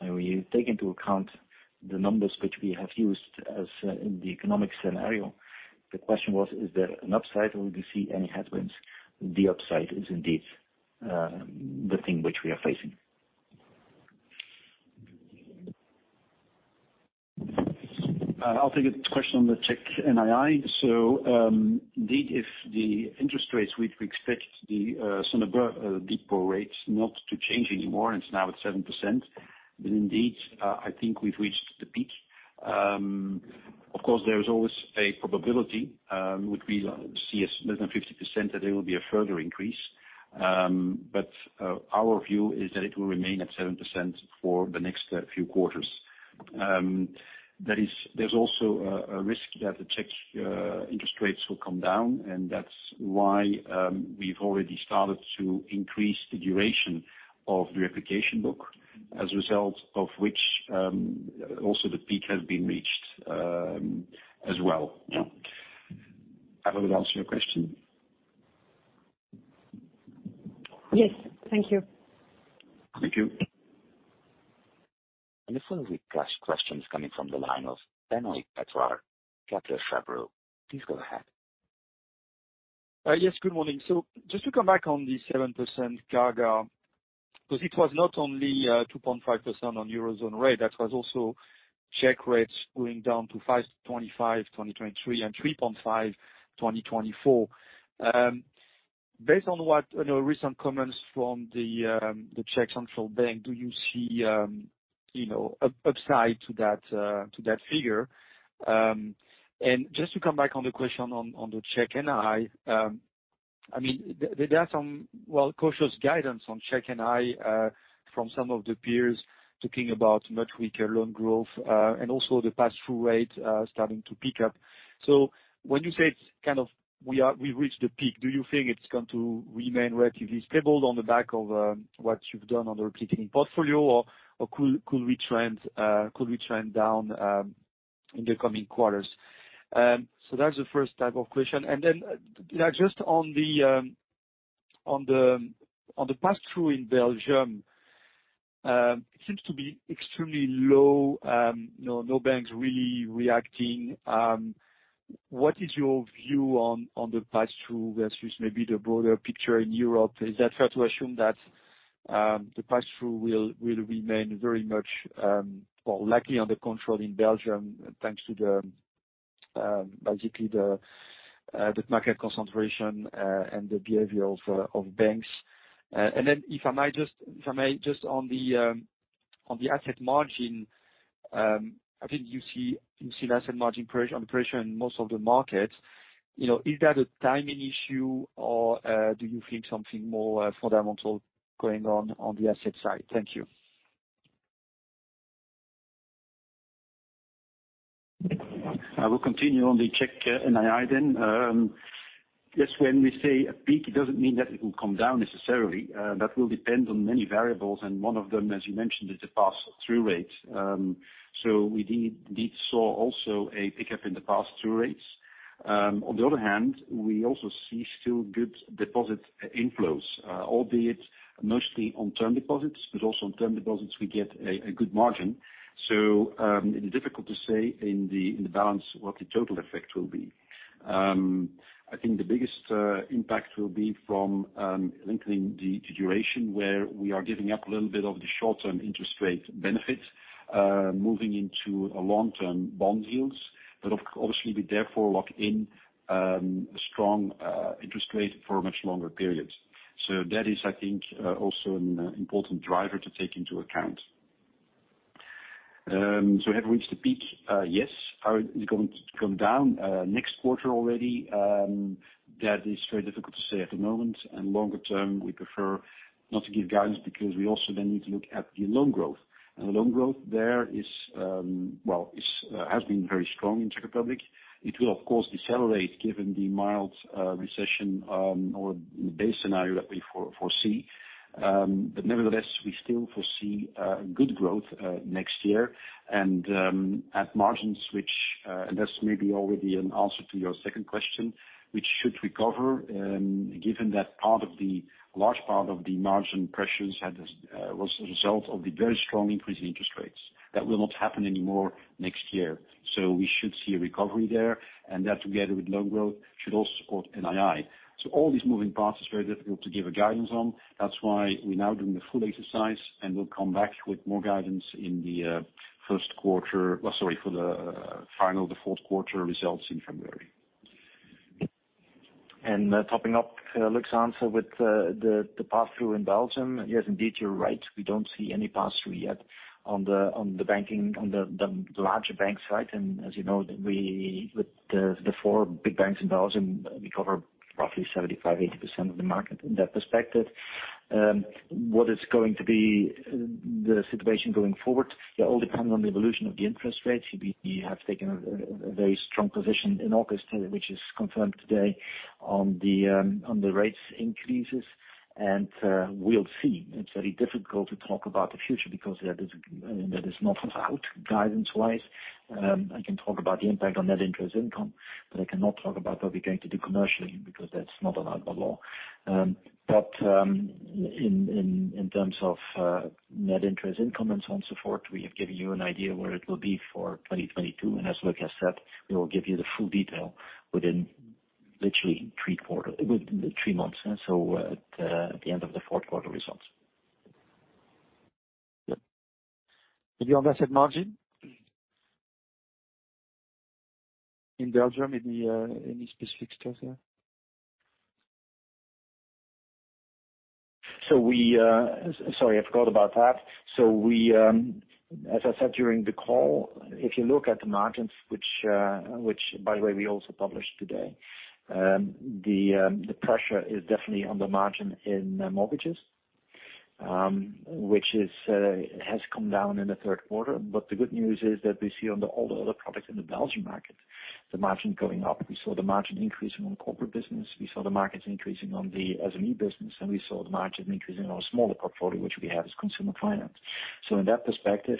and when you take into account the numbers which we have used as in the economic scenario, the question was: Is there an upside or we see any headwinds? The upside is indeed the thing which we are facing. I'll take a question on the Czech NII. Indeed, if the interest rates, we expect the some of the deposit rates not to change anymore, and it's now at 7%, then indeed I think we've reached the peak. Of course, there is always a probability which we see as less than 50% that there will be a further increase. Our view is that it will remain at 7% for the next few quarters. There's also a risk that the Czech interest rates will come down, and that's why we've already started to increase the duration of the replication book as a result of which, also the peak has been reached, as well. Yeah. I hope it answers your question. Yes. Thank you. Thank you. The 1/3 question is coming from the line of Benoit Pétrarque Yes, good morning. Just to come back on the 7% guidance, 'cause it was not only 2.5% on Eurozone rate, that was also Czech rates going down to 5.25, 2023 and 3.5, 2024. Based on what you know, recent comments from the Czech National Bank, do you see upside to that figure? Just to come back on the question on the Czech NII, I mean, there are some well cautious guidance on Czech NII from some of the peers talking about much weaker loan growth and also the pass-through rate starting to peak up. When you say we've reached the peak, do you think it's going to remain relatively stable on the back of what you've done on the replicating portfolio or could we trend down in the coming quarters? That's the first type of question. Then just on the pass-through in Belgium. It seems to be extremely low. You know, no banks really reacting. What is your view on the pass-through versus maybe the broader picture in Europe? Is that fair to assume that the Pass-Through will remain very much well, luckily under control in Belgium, thanks to basically the market concentration and the behavior of banks. If I may, just on the asset margin, I think you see less asset margin pressure, no pressure in most of the markets. You know, is that a timing issue or do you think something more fundamental going on the asset side? Thank you. I will continue on the Czech NII then. Yes, when we say a peak, it doesn't mean that it will come down necessarily. That will depend on many variables, and one of them, as you mentioned, is the pass-through rate. So we did see also a pickup in the Pass-Through rates. On the other hand, we also see still good deposit inflows, albeit mostly on term deposits, but also on term deposits we get a good margin. It's difficult to say in the balance what the total effect will be. I think the biggest impact will be from lengthening the duration where we are giving up a little bit of the Short-Term interest rate benefit, moving into Long-Term bond yields. Obviously, we therefore lock in a strong interest rate for much longer periods. That is, I think, also an important driver to take into account. Have we reached a peak? Yes. Is it going to come down next 1/4 already? That is very difficult to say at the moment, and longer term, we prefer not to give guidance because we also then need to look at the loan growth. The loan growth there has been very strong in Czech Republic. It will, of course, decelerate given the mild recession or base scenario that we foresee. Nevertheless, we still foresee good growth next year and at margins which and that's maybe already an answer to your second question, which should recover, given that a large part of the margin pressures was a result of the very strong increase in interest rates. That will not happen anymore next year. We should see a recovery there, and that together with loan growth should also support NII. All these moving parts, it's very difficult to give a guidance on. That's why we're now doing the full exercise, and we'll come back with more guidance in the first 1/4. Or sorry, for the final fourth 1/4 results in February. Topping up Luc's answer with the pass-through in Belgium. Yes, indeed, you're right. We don't see any pass-through yet on the banking, the larger bank side. As you know, with the four big banks in Belgium, we cover roughly 75%-80% of the market in that perspective. What is going to be the situation going forward? It all depends on the evolution of the interest rates. We have taken a very strong position in August, which is confirmed today on the rates increases. We'll see. It's very difficult to talk about the future because that is not allowed guidance-wise. I can talk about the impact on net interest income, but I cannot talk about what we're going to do commercially because that's not allowed by law. In terms of net interest income and so on, so forth, we have given you an idea where it will be for 2022. As Luc has said, we will give you the full detail within literally 3 months. At the end of the fourth 1/4 results. Yeah. The asset margin? In Belgium, any specific stuff there? Sorry, I forgot about that. We, as I said during the call, if you look at the margins which, by the way we also published today, the pressure is definitely on the margin in mortgages, which has come down in the 1/3 1/4. The good news is that we see on all the other products in the Belgian market, the margin going up. We saw the margin increasing on corporate business. We saw the margins increasing on the SME business, and we saw the margin increasing on smaller portfolio, which we have as consumer finance. In that perspective,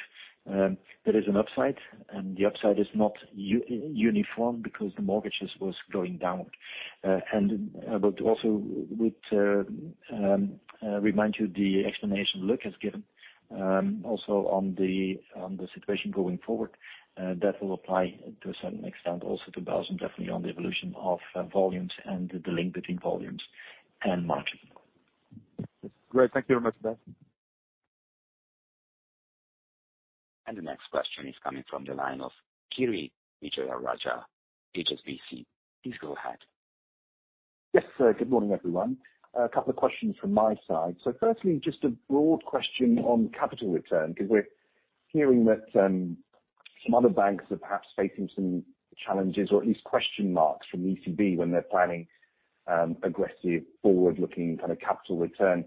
there is an upside, and the upside is not uniform because the mortgages was going down. Also would remind you the explanation Luc has given, also on the situation going forward, that will apply to a certain extent also to Belgium, definitely on the evolution of volumes and the link between volumes and margin. Great. Thank you very much. The next question is coming from the line of Kirishanthan Vijayarajah, HSBC. Please go ahead. Yes, sir. Good morning, everyone. A couple of questions from my side. Firstly, just a broad question on capital return, because we're hearing that some other banks are perhaps facing some challenges or at least question marks from the ECB when they're planning aggressive Forward-Looking kind of capital return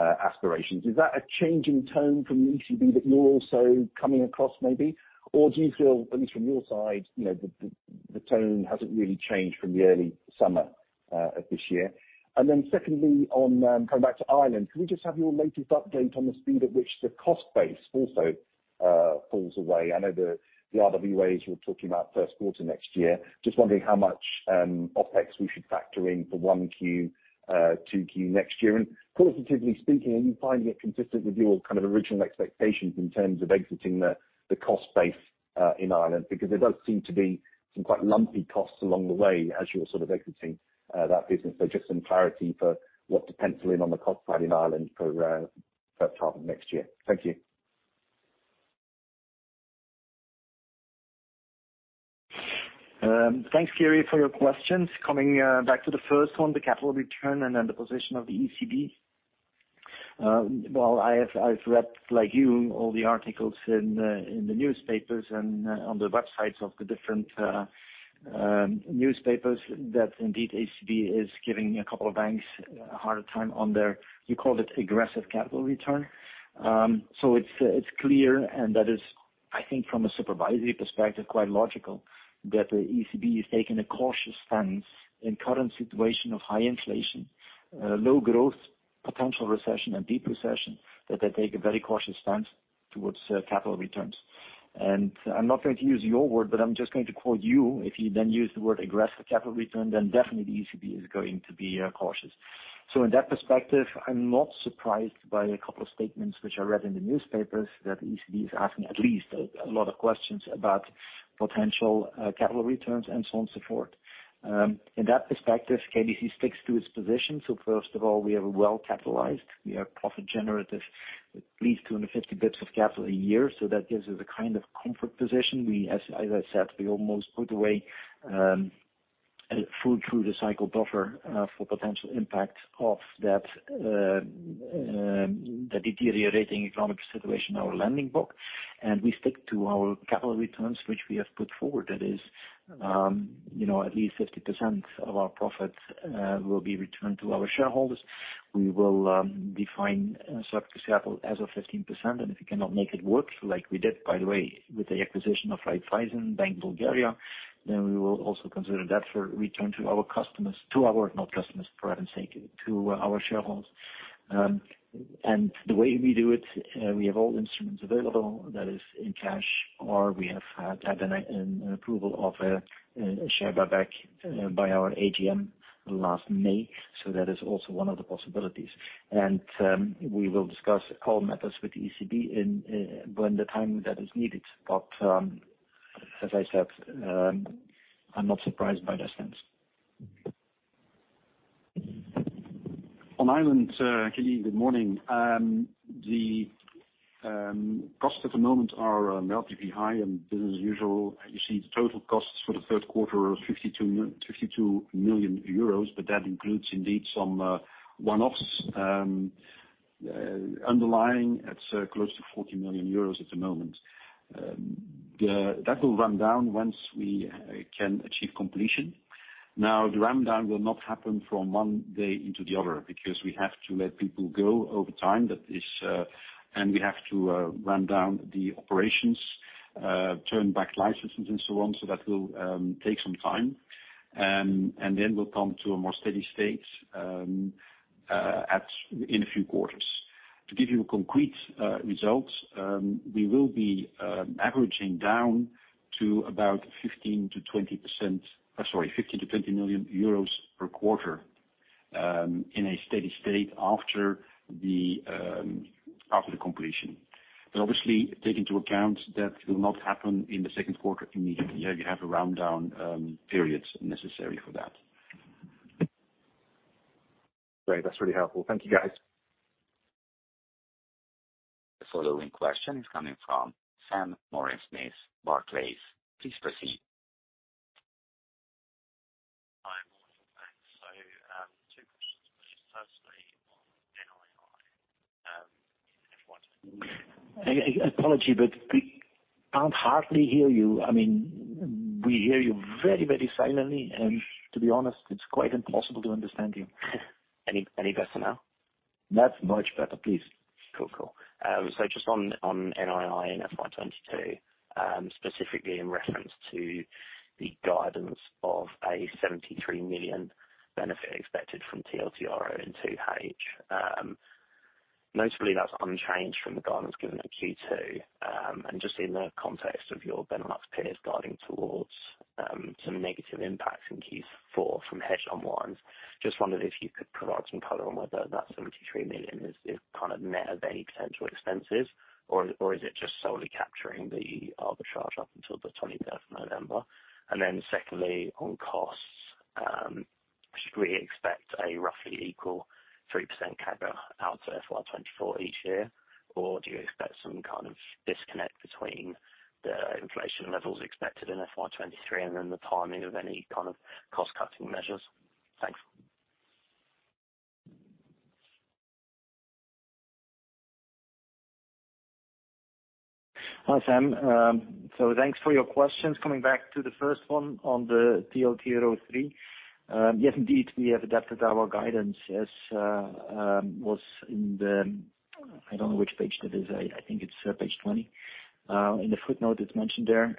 aspirations. Is that a change in tone from the ECB that you're also coming across maybe? Or do you feel, at least from your side, you know, the tone hasn't really changed from the early summer of this year? Secondly, on coming back to Ireland, can we just have your latest update on the speed at which the cost base also falls away? I know the RWAs you're talking about first 1/4 next year. Just wondering how much OPEX we should factor in for 1Q, 2Q next year. Qualitatively speaking, are you finding it consistent with your kind of original expectations in terms of exiting the cost base in Ireland? Because there does seem to be some quite lumpy costs along the way as you're sort of exiting that business. Just some clarity for what to pencil in on the cost side in Ireland for first 1/2 of next year. Thank you. Thanks, Kirishanthan, for your questions. Coming back to the first one, the capital return and then the position of the ECB. Well, I've read, like you, all the articles in the newspapers and on the websites of the different newspapers that indeed ECB is giving a couple of banks a harder time on their, you called it aggressive capital return. So it's clear, and that is, I think from a supervisory perspective, quite logical, that the ECB is taking a cautious stance in current situation of high inflation, low growth, potential recession and deep recession, that they take a very cautious stance towards capital returns. I'm not going to use your word, but I'm just going to quote you. If you then use the word aggressive capital return, then definitely the ECB is going to be cautious. In that perspective, I'm not surprised by a couple of statements which I read in the newspapers that ECB is asking at least a lot of questions about potential capital returns and so on, so forth. In that perspective, KBC sticks to its position. First of all, we are well capitalized. We are profit generative with at least 250 basis points of capital a year. That gives us a kind of comfort position. As I said, we almost put away full through-the-cycle buffer for potential impact of the deteriorating economic situation in our lending book. We stick to our capital returns, which we have put forward. That is, you know, at least 50% of our profits will be returned to our shareholders. We will define surplus capital as of 15%. If you cannot make it work, like we did, by the way, with the acquisition of Raiffeisenbank (Bulgaria), then we will also consider that for return to our customers. To our, not customers, for heaven's sake, to our shareholders. The way we do it, we have all instruments available, that is in cash or we have had an approval of a share buyback by our AGM last May. That is also one of the possibilities. We will discuss all methods with the ECB when the time that is needed. As I said, I'm not surprised by their stance. On Ireland, Kirishanthan Vijayarajah, good morning. The costs at the moment are relatively high and business as usual. You see the total costs for the 1/3 1/4 are 52 million euros, but that includes indeed some One-Offs. Underlying, it's close to 40 million euros at the moment. That will run down once we can achieve completion. Now, the rundown will not happen from one day into the other because we have to let people go over time. We have to run down the operations, turn back licenses and so on. That will take some time. Then we'll come to a more steady state in a few quarters. To give you concrete results, we will be averaging down to about 15%-20%. Sorry, 50 million to 20 million euros per 1/4, in a steady state after the completion. Obviously take into account that will not happen in the second 1/4 immediately. You have a rundown period necessary for that. Great. That's really helpful. Thank you, guys. The following question is coming from Namita Samtani of Barclays. Please proceed. Hi, morning. Thanks. 2 questions, please. Firstly, on NII, if you want. Apologies, but we can't hardly hear you. I mean, we hear you very, very silently, and to be honest, it's quite impossible to understand you. Any better now? That's much better. Please. Cool. So just on NII in FY 2022, specifically in reference to the guidance of a 73 million benefit expected from TLTRO in 2H. Notably that's unchanged from the guidance given at Q2. Just in the context of your Benelux peers guiding towards some negative impacts in Q4 from hedge unwinds, wondered if you could provide some color on whether that 73 million is kind of net of any potential expenses, or is it just solely capturing the arbitrage up until the twenty-third November? Secondly, on costs, should we expect a roughly equal 3% CAGR out to FY 2024 each year? Or do you expect some kind of disconnect between the inflation levels expected in FY 2023 and then the timing of any kind of Cost-Cutting measures? Thanks. Hi, Samtani. So thanks for your questions. Coming back to the first one on the TLTRO III. Yes, indeed. We have adapted our guidance as was in the. I don't know which page that is. I think it's page 20. In the footnote, it's mentioned there.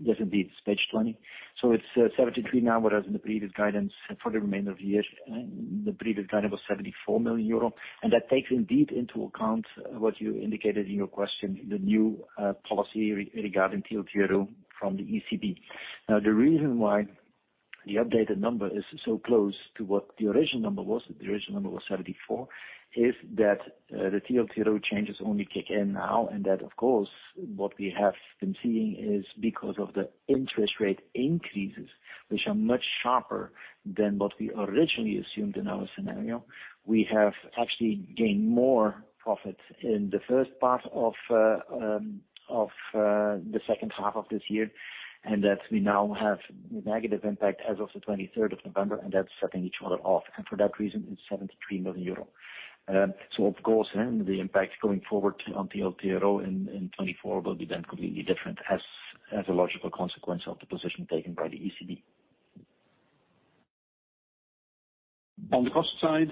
Yes, indeed, it's page 20. So it's 73 now, whereas in the previous guidance for the remainder of the year, the previous guidance was 74 million euro. That takes, indeed, into account what you indicated in your question, the new policy regarding TLTRO from the ECB. Now, the reason why the updated number is so close to what the original number was, the original number was 74, is that the TLTRO changes only kick in now, and that, of course, what we have been seeing is because of the interest rate increases, which are much sharper than what we originally assumed in our scenario. We have actually gained more profit in the first part of the second 1/2 of this year, and that we now have a negative impact as of the twenty-third of November, and that's setting each other off. For that reason, it's 73 million euro. Of course, the impact going forward on TLTRO in 2024 will be then completely different as a logical consequence of the position taken by the ECB. On the cost side,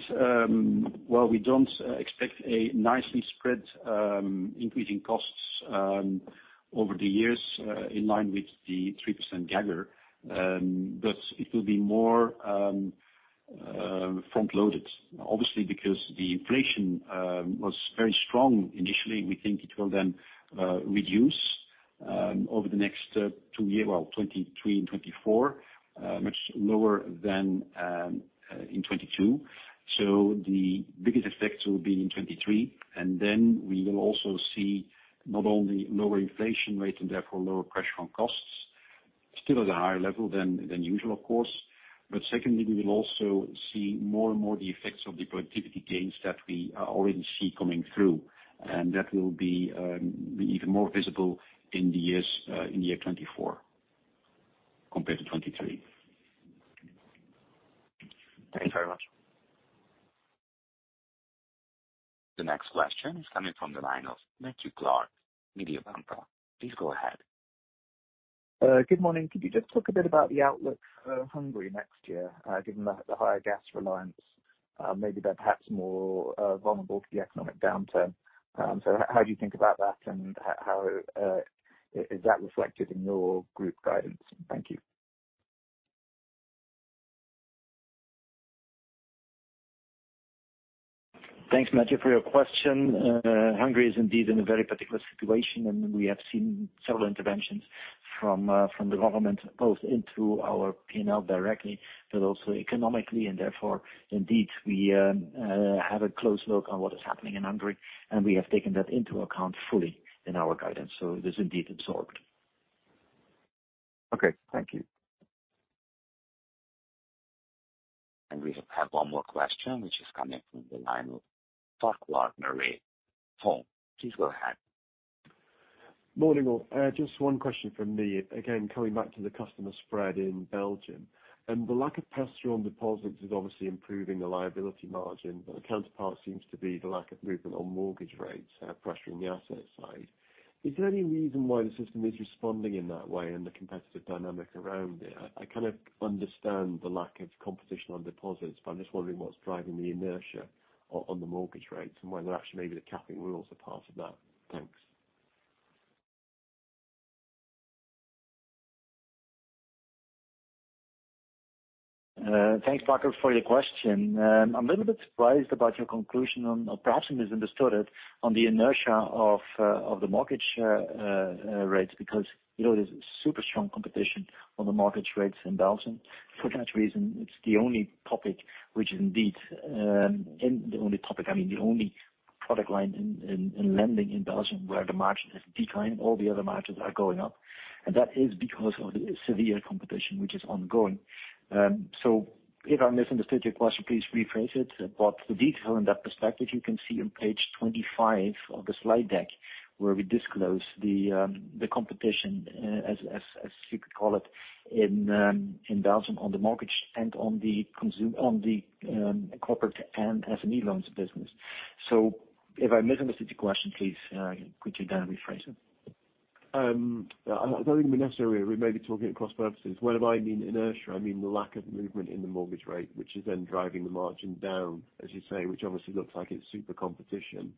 while we don't expect a nicely spread increasing costs over the years in line with the 3% CAGR, but it will be more front-loaded. Obviously, because the inflation was very strong initially, we think it will then reduce over the next 2 years, 2023 and 2024, much lower than in 2022. The biggest effects will be in 2023, and then we will also see not only lower inflation rate and therefore lower pressure on costs, still at a higher level than usual, of course. Secondly, we will also see more and more the effects of the productivity gains that we already see coming through. That will be even more visible in the years, in the year 2024 compared to 2023. Thank you very much. The next question is coming from the line of Matthew Clark, Mediobanca. Please go ahead. Good morning. Could you just talk a bit about the outlook for Hungary next year, given the higher gas reliance, maybe they're perhaps more vulnerable to the economic downturn. How do you think about that, and how is that reflected in your group guidance? Thank you. Thanks, Matthew, for your question. Hungary is indeed in a very particular situation, and we have seen several interventions from the government, both into our P&L directly, but also economically. Therefore, indeed, we have a close look on what is happening in Hungary, and we have taken that into account fully in our guidance. It is indeed absorbed. Okay. Thank you. We have one more question, which is coming from the line of Farquhar Murray. Please go ahead. Morning, all. Just one question from me. Again, coming back to the customer spread in Belgium. The lack of pressure on deposits is obviously improving the liability margin, but the counterpart seems to be the lack of movement on mortgage rates, pressuring the asset side. Is there any reason why the system is responding in that way and the competitive dynamic around it? I kind of understand the lack of competition on deposits, but I'm just wondering what's driving the inertia on the mortgage rates and whether actually maybe the capping rules are part of that. Thanks. Thanks, Farquhar, for your question. I'm a little bit surprised about your conclusion. Perhaps misunderstood it on the inertia of the mortgage rates, because you know there's super strong competition on the mortgage rates in Belgium. For that reason, it's the only topic, I mean, the only product line in lending in Belgium where the margin has declined. All the other margins are going up. That is because of the severe competition which is ongoing. If I misunderstood your question, please rephrase it, but the detail in that perspective, you can see on page 25 of the slide deck, where we disclose the competition as you could call it in Belgium on the mortgage and on the corporate and SME loans business. If I misunderstood your question, please could you then rephrase it? I don't think we necessarily. We may be talking at cross purposes. When I mean inertia, I mean the lack of movement in the mortgage rate, which is then driving the margin down, as you say, which obviously looks like it's super competition.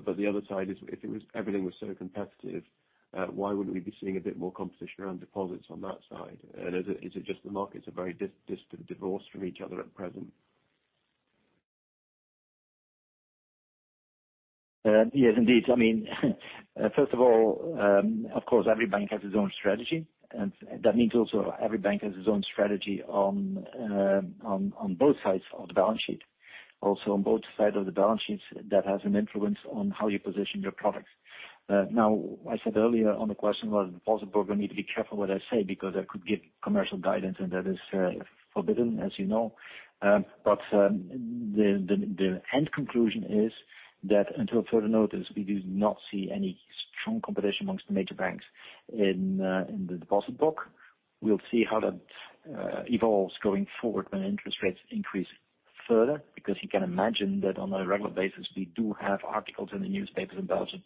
But the other side is if it was everything was so competitive, why wouldn't we be seeing a bit more competition around deposits on that side? Is it just the markets are very divorced from each other at present? Yes, indeed. I mean, first of all, of course, every bank has its own strategy, and that means also every bank has its own strategy on both sides of the balance sheet. Also on both sides of the balance sheets, that has an influence on how you position your products. Now, I said earlier on the question about deposit book, I need to be careful what I say because I could give commercial guidance, and that is forbidden, as you know. But the end conclusion is that until further notice, we do not see any strong competition amongst the major banks in the deposit book. We'll see how that evolves going forward when interest rates increase further, because you can imagine that on a regular basis, we do have articles in the newspapers in Belgium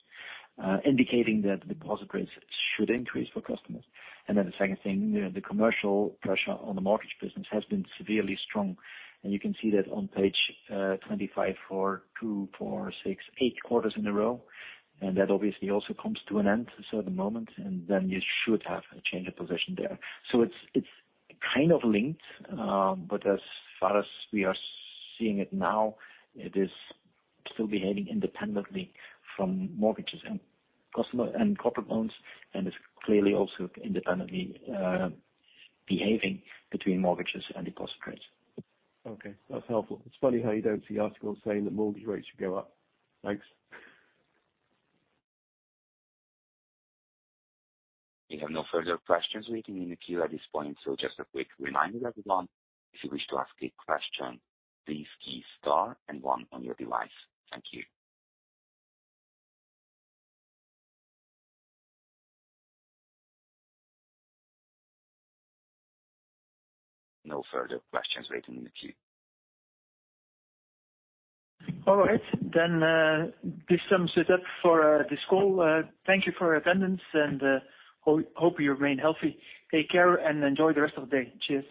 indicating that deposit rates should increase for customers. The second thing, the commercial pressure on the mortgage business has been severely strong. You can see that on page 25, 4, 2, 4, 6, 8 quarters in a row. That obviously also comes to an end at a certain moment, and then you should have a change of position there. It's kind of linked, but as far as we are seeing it now, it is still behaving independently from mortgages and customer and corporate loans, and it's clearly also independently behaving between mortgages and deposit rates. Okay. That's helpful. It's funny how you don't see articles saying that mortgage rates should go up. Thanks. We have no further questions waiting in the queue at this point. Just a quick reminder, everyone, if you wish to ask a question, please key star and one on your device. Thank you. No further questions waiting in the queue. All right. This sums it up for this call. Thank you for your attendance and hope you remain healthy. Take care and enjoy the rest of the day. Cheers.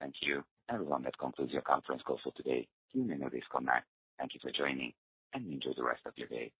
Thank you. Everyone, that concludes your conference call for today. You may now disconnect. Thank you for joining, and enjoy the rest of your day.